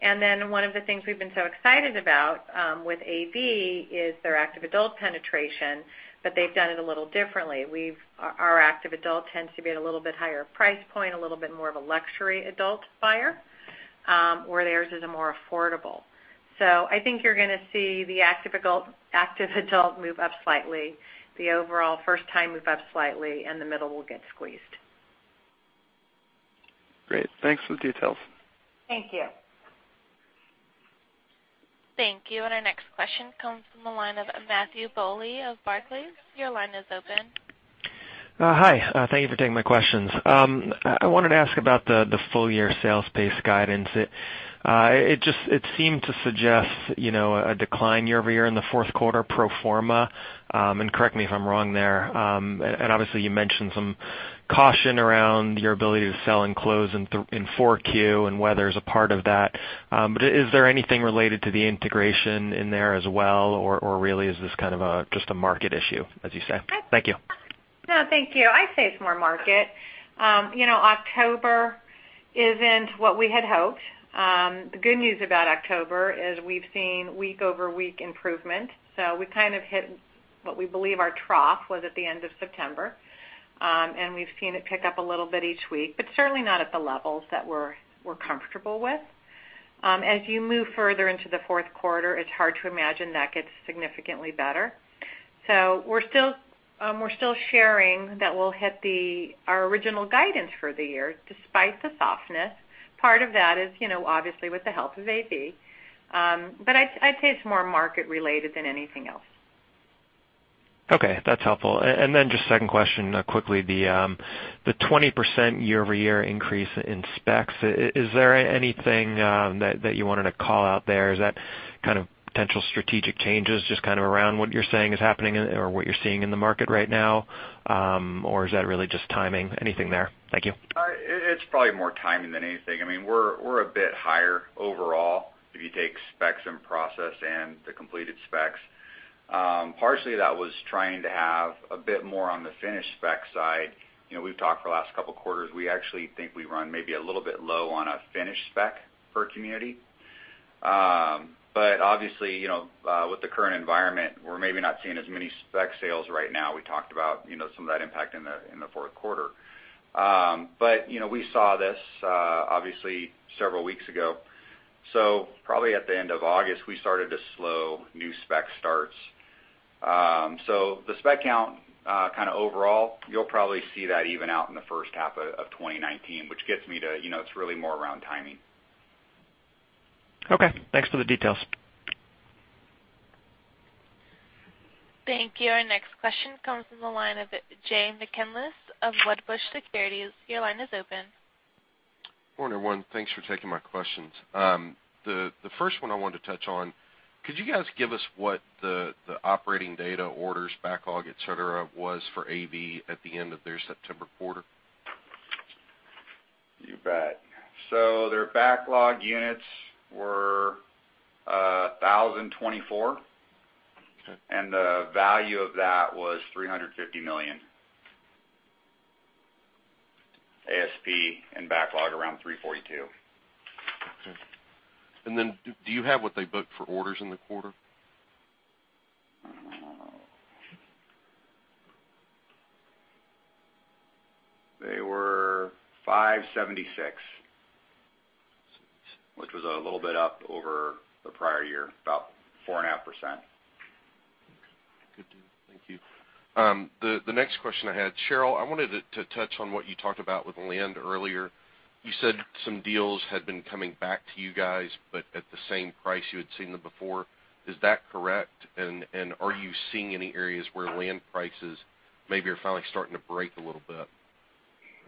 And then one of the things we've been so excited about with AV is their active adult penetration, but they've done it a little differently. Our active adult tends to be at a little bit higher price point, a little bit more of a luxury adult buyer, where theirs is a more affordable. So I think you're going to see the active adult move up slightly, the overall first-time move up slightly, and the middle will get squeezed. Great. Thanks for the details. Thank you. Thank you. And our next question comes from the line of Matthew Bouley of Barclays. Your line is open. Hi. Thank you for taking my questions. I wanted to ask about the full-year sales-based guidance. It seemed to suggest a decline year-over-year in the fourth quarter pro forma. And correct me if I'm wrong there. And obviously, you mentioned some caution around your ability to sell and close in 4Q and whether it's a part of that. But is there anything related to the integration in there as well, or really is this kind of just a market issue, as you say? Thank you. No, thank you. I'd say it's more market. October isn't what we had hoped. The good news about October is we've seen week-over-week improvement. So we kind of hit what we believe our trough was at the end of September, and we've seen it pick up a little bit each week, but certainly not at the levels that we're comfortable with. As you move further into the fourth quarter, it's hard to imagine that gets significantly better. So we're still sharing that we'll hit our original guidance for the year despite the softness. Part of that is obviously with the help of AV. But I'd say it's more market-related than anything else. Okay. That's helpful. And then just second question quickly, the 20% year-over-year increase in specs, is there anything that you wanted to call out there? Is that kind of potential strategic changes just kind of around what you're saying is happening or what you're seeing in the market right now, or is that really just timing? Anything there? Thank you. It's probably more timing than anything. I mean, we're a bit higher overall if you take specs and process and the completed specs. Partially, that was trying to have a bit more on the finished spec side. We've talked for the last couple of quarters. We actually think we run maybe a little bit low on a finished spec per community. But obviously, with the current environment, we're maybe not seeing as many spec sales right now. We talked about some of that impact in the fourth quarter. But we saw this, obviously, several weeks ago. So probably at the end of August, we started to slow new spec starts. So the spec count kind of overall, you'll probably see that even out in the first half of 2019, which gets me to it's really more around timing. Okay. Thanks for the details. Thank you. Our next question comes from the line of Jay McCanless of Wedbush Securities. Your line is open. Morning, everyone. Thanks for taking my questions. The first one I wanted to touch on, could you guys give us what the operating data, orders, backlog, etc., was for AV at the end of their September quarter? You bet. So their backlog units were 1,024, and the value of that was $350 million. ASP and backlog around $342. Okay. And then do you have what they booked for orders in the quarter? They were 576, which was a little bit up over the prior year, about 4.5%. Good deal. Thank you. The next question I had, Sheryl, I wanted to touch on what you talked about with land earlier. You said some deals had been coming back to you guys, but at the same price you had seen them before. Is that correct? And are you seeing any areas where land prices maybe are finally starting to break a little bit?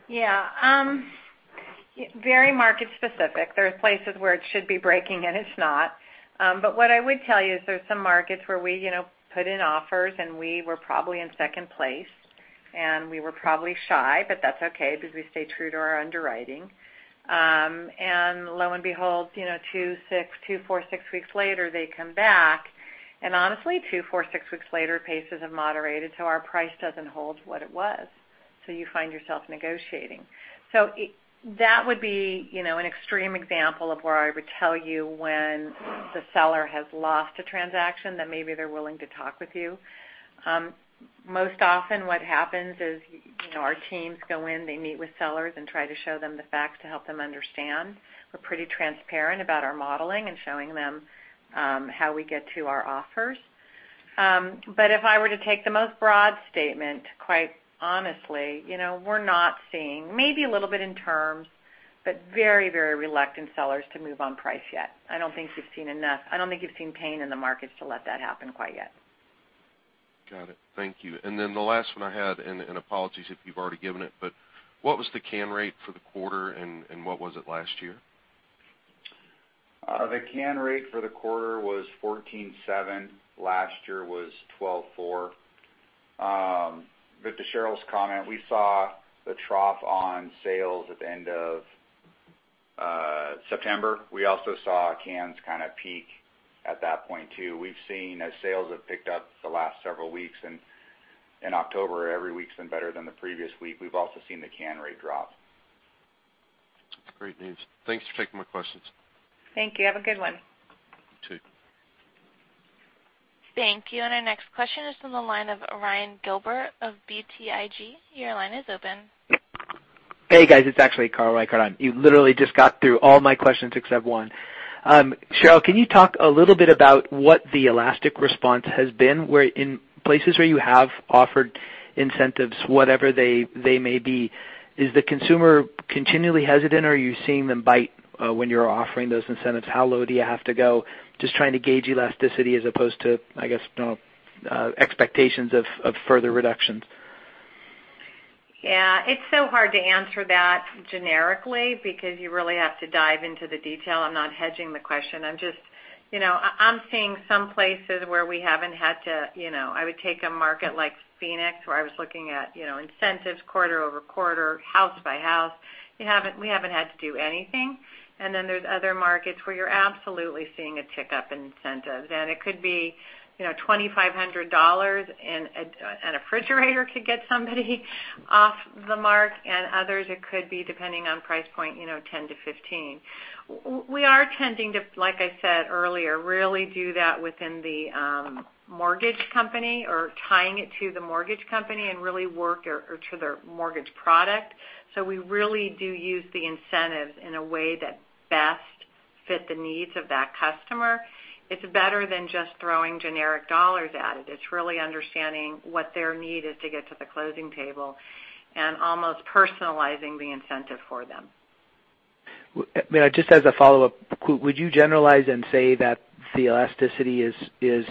Yeah. Very market specific. There are places where it should be breaking, and it's not. But what I would tell you is there are some markets where we put in offers, and we were probably in second place, and we were probably shy, but that's okay because we stay true to our underwriting. And lo and behold, two, four, six weeks later, they come back. And honestly, two, four, six weeks later, prices have moderated, so our price doesn't hold what it was. So you find yourself negotiating. So that would be an extreme example of where I would tell you when the seller has lost a transaction that maybe they're willing to talk with you. Most often, what happens is our teams go in, they meet with sellers and try to show them the facts to help them understand. We're pretty transparent about our modeling and showing them how we get to our offers. But if I were to take the most broad statement, quite honestly, we're not seeing maybe a little bit in terms, but very, very reluctant sellers to move on price yet. I don't think you've seen enough. I don't think you've seen pain in the markets to let that happen quite yet. Got it. Thank you. Then the last one I had, and apologies if you've already given it, but what was the cancellation rate for the quarter, and what was it last year? The cancellation rate for the quarter was 1,470. Last year was 1,240. But to Sheryl's comment, we saw the trough on sales at the end of September. We also saw cancellations kind of peak at that point too. We've seen as sales have picked up the last several weeks, and in October, every week's been better than the previous week. We've also seen the cancellation rate drop. That's great news. Thanks for taking my questions. Thank you. Have a good one. You too. Thank you. And our next question is from the line of Ryan Gilbert of BTIG. Your line is open. Hey, guys. It's actually Carl Reichardt. You literally just got through all my questions except one. Sheryl, can you talk a little bit about what the elastic response has been? In places where you have offered incentives, whatever they may be, is the consumer continually hesitant, or are you seeing them bite when you're offering those incentives? How low do you have to go? Just trying to gauge elasticity as opposed to, I guess, expectations of further reductions. Yeah. It's so hard to answer that generically because you really have to dive into the detail. I'm not hedging the question. I'm just seeing some places where we haven't had to. I would take a market like Phoenix where I was looking at incentives quarter over quarter, house by house. We haven't had to do anything. And then there's other markets where you're absolutely seeing a tick up in incentives. It could be $2,500, and a refrigerator could get somebody off the mark, and others it could be, depending on price point, 10 to 15. We are tending to, like I said earlier, really do that within the mortgage company or tying it to the mortgage company and really work to their mortgage product. So we really do use the incentives in a way that best fits the needs of that customer. It's better than just throwing generic dollars at it. It's really understanding what their need is to get to the closing table and almost personalizing the incentive for them. Just as a follow-up, would you generalize and say that the elasticity is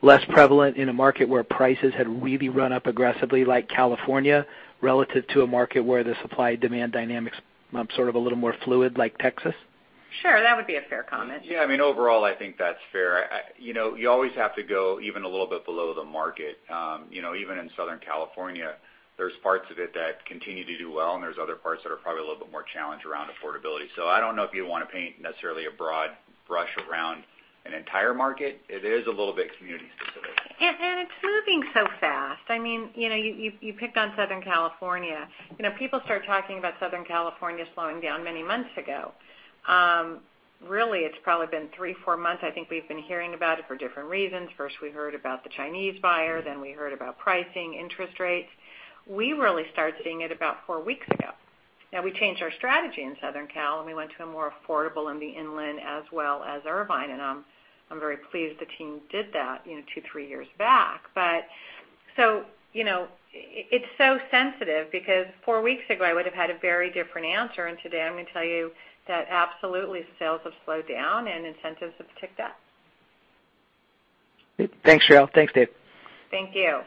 less prevalent in a market where prices had really run up aggressively, like California, relative to a market where the supply-demand dynamics are sort of a little more fluid, like Texas? Sure. That would be a fair comment. Yeah. I mean, overall, I think that's fair. You always have to go even a little bit below the market. Even in Southern California, there's parts of it that continue to do well, and there's other parts that are probably a little bit more challenged around affordability. So I don't know if you'd want to paint necessarily a broad brush around an entire market. It is a little bit community-specific. And it's moving so fast. I mean, you picked on Southern California. People start talking about Southern California slowing down many months ago. Really, it's probably been three, four months. I think we've been hearing about it for different reasons. First, we heard about the Chinese buyer. Then we heard about pricing, interest rates. We really started seeing it about four weeks ago. Now, we changed our strategy in Southern Cal, and we went to a more affordable in the inland as well as Irvine. And I'm very pleased the team did that two, three years back. So it's so sensitive because four weeks ago, I would have had a very different answer. And today, I'm going to tell you that absolutely sales have slowed down, and incentives have ticked up. Thanks, Sheryl. Thanks, Dave. Thank you.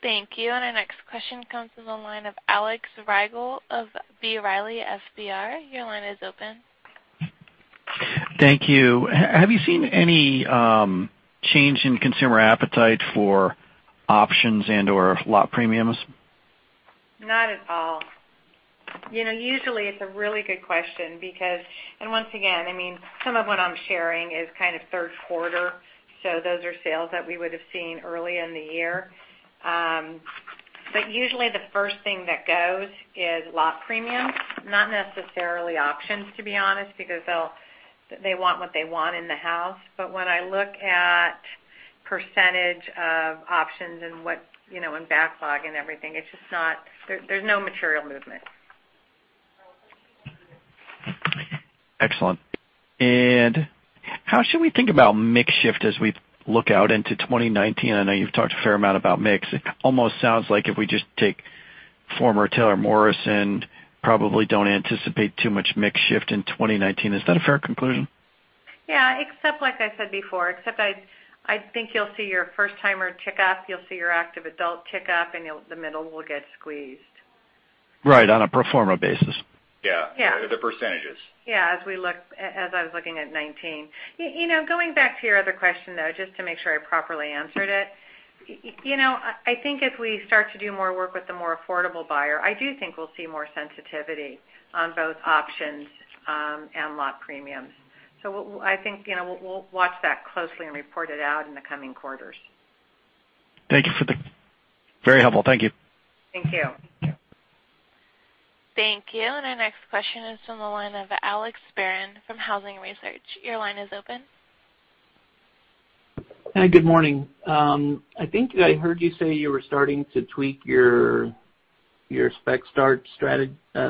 Thank you. And our next question comes from the line of Alex Rygiel of B. Riley FBR. Your line is open. Thank you. Have you seen any change in consumer appetite for options and/or lot premiums? Not at all. Usually, it's a really good question because, and once again, I mean, some of what I'm sharing is kind of third quarter. So those are sales that we would have seen early in the year. But usually, the first thing that goes is lot premiums, not necessarily options, to be honest, because they want what they want in the house. But when I look at the percentage of options and backlog and everything, there's no material movement. Excellent. And how should we think about mix shift as we look out into 2019? I know you've talked a fair amount about mix. It almost sounds like if we just take former Taylor Morrison, probably don't anticipate too much mix shift in 2019. Is that a fair conclusion? Yeah. Except, like I said before, except I think you'll see your first timer tick up. You'll see your active adult tick up, and the middle will get squeezed. Right. On a pro forma basis. Yeah. The percentages. Yeah. As I was looking at 2019. Going back to your other question, though, just to make sure I properly answered it, I think if we start to do more work with the more affordable buyer, I do think we'll see more sensitivity on both options and lot premiums. So I think we'll watch that closely and report it out in the coming quarters. Thank you for the very helpful. Thank you. Thank you. Thank you. And our next question is from the line of Alex Barron from Housing Research. Your line is open. Hi. Good morning. I think I heard you say you were starting to tweak your spec start strategy. I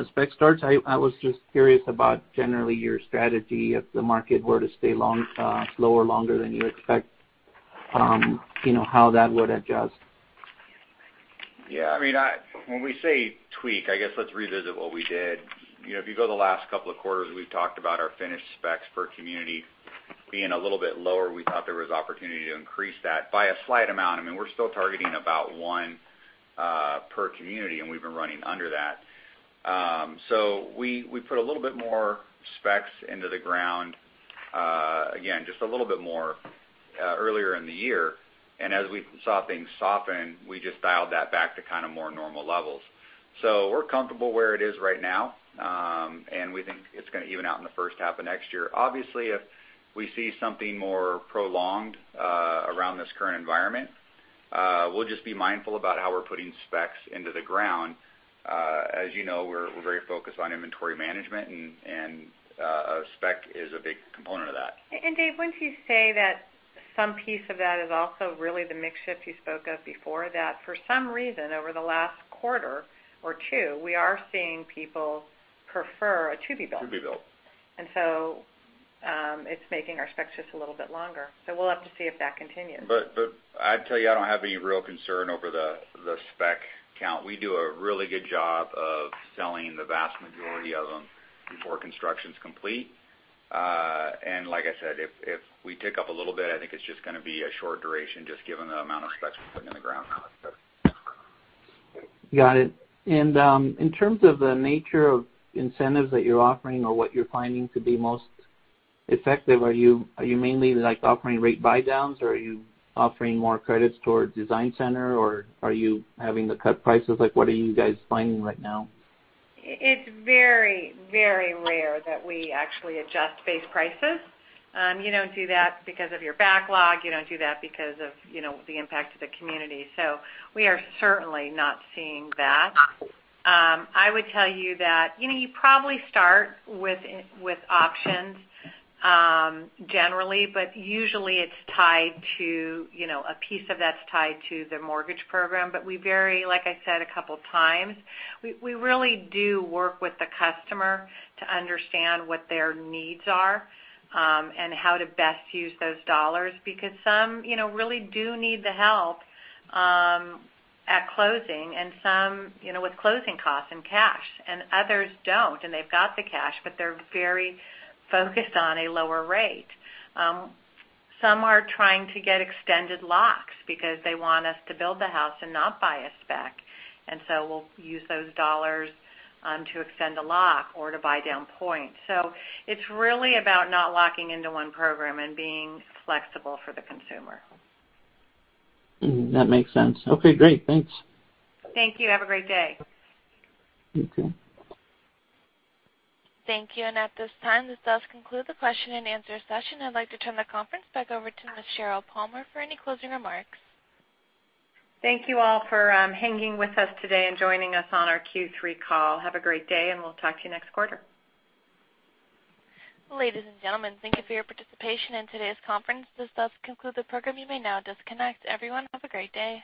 was just curious about generally your strategy if the market were to stay slower longer than you expect, how that would adjust. Yeah. I mean, when we say tweak, I guess let's revisit what we did. If you go to the last couple of quarters, we've talked about our finished specs per community being a little bit lower. We thought there was opportunity to increase that by a slight amount. I mean, we're still targeting about one per community, and we've been running under that. So we put a little bit more specs into the ground, again, just a little bit more earlier in the year. And as we saw things soften, we just dialed that back to kind of more normal levels. So we're comfortable where it is right now, and we think it's going to even out in the first half of next year. Obviously, if we see something more prolonged around this current environment, we'll just be mindful about how we're putting specs into the ground. As you know, we're very focused on inventory management, and a spec is a big component of that. And Dave, when you say that some piece of that is also really the mix shift you spoke of before, that for some reason over the last quarter or two, we are seeing people prefer a to-be-built. To-be-built. And so it's making our specs just a little bit longer. So we'll have to see if that continues. But I'd tell you I don't have any real concern over the spec count. We do a really good job of selling the vast majority of them before construction's complete. And like I said, if we tick up a little bit, I think it's just going to be a short duration just given the amount of specs we're putting in the ground. Got it. In terms of the nature of incentives that you're offering or what you're finding to be most effective, are you mainly offering rate buydowns, or are you offering more credits toward design center, or are you having to cut prices? What are you guys finding right now? It's very, very rare that we actually adjust base prices. You don't do that because of your backlog. You don't do that because of the impact to the community. So we are certainly not seeing that. I would tell you that you probably start with options generally, but usually, it's tied to a piece of that's tied to the mortgage program. But we vary, like I said, a couple of times. We really do work with the customer to understand what their needs are and how to best use those dollars because some really do need the help at closing and some with closing costs and cash, and others don't, and they've got the cash, but they're very focused on a lower rate. Some are trying to get extended locks because they want us to build the house and not buy a spec, and so we'll use those dollars to extend a lock or to buy down points, so it's really about not locking into one program and being flexible for the consumer. That makes sense. Okay. Great. Thanks. Thank you. Have a great day. You too. Thank you, and at this time, this does conclude the question-and-answer session. I'd like to turn the conference back over to Ms. Sheryl Palmer for any closing remarks. Thank you all for hanging with us today and joining us on our Q3 call. Have a great day, and we'll talk to you next quarter. Ladies and gentlemen, thank you for your participation in today's conference. This does conclude the program. You may now disconnect. Everyone, have a great day.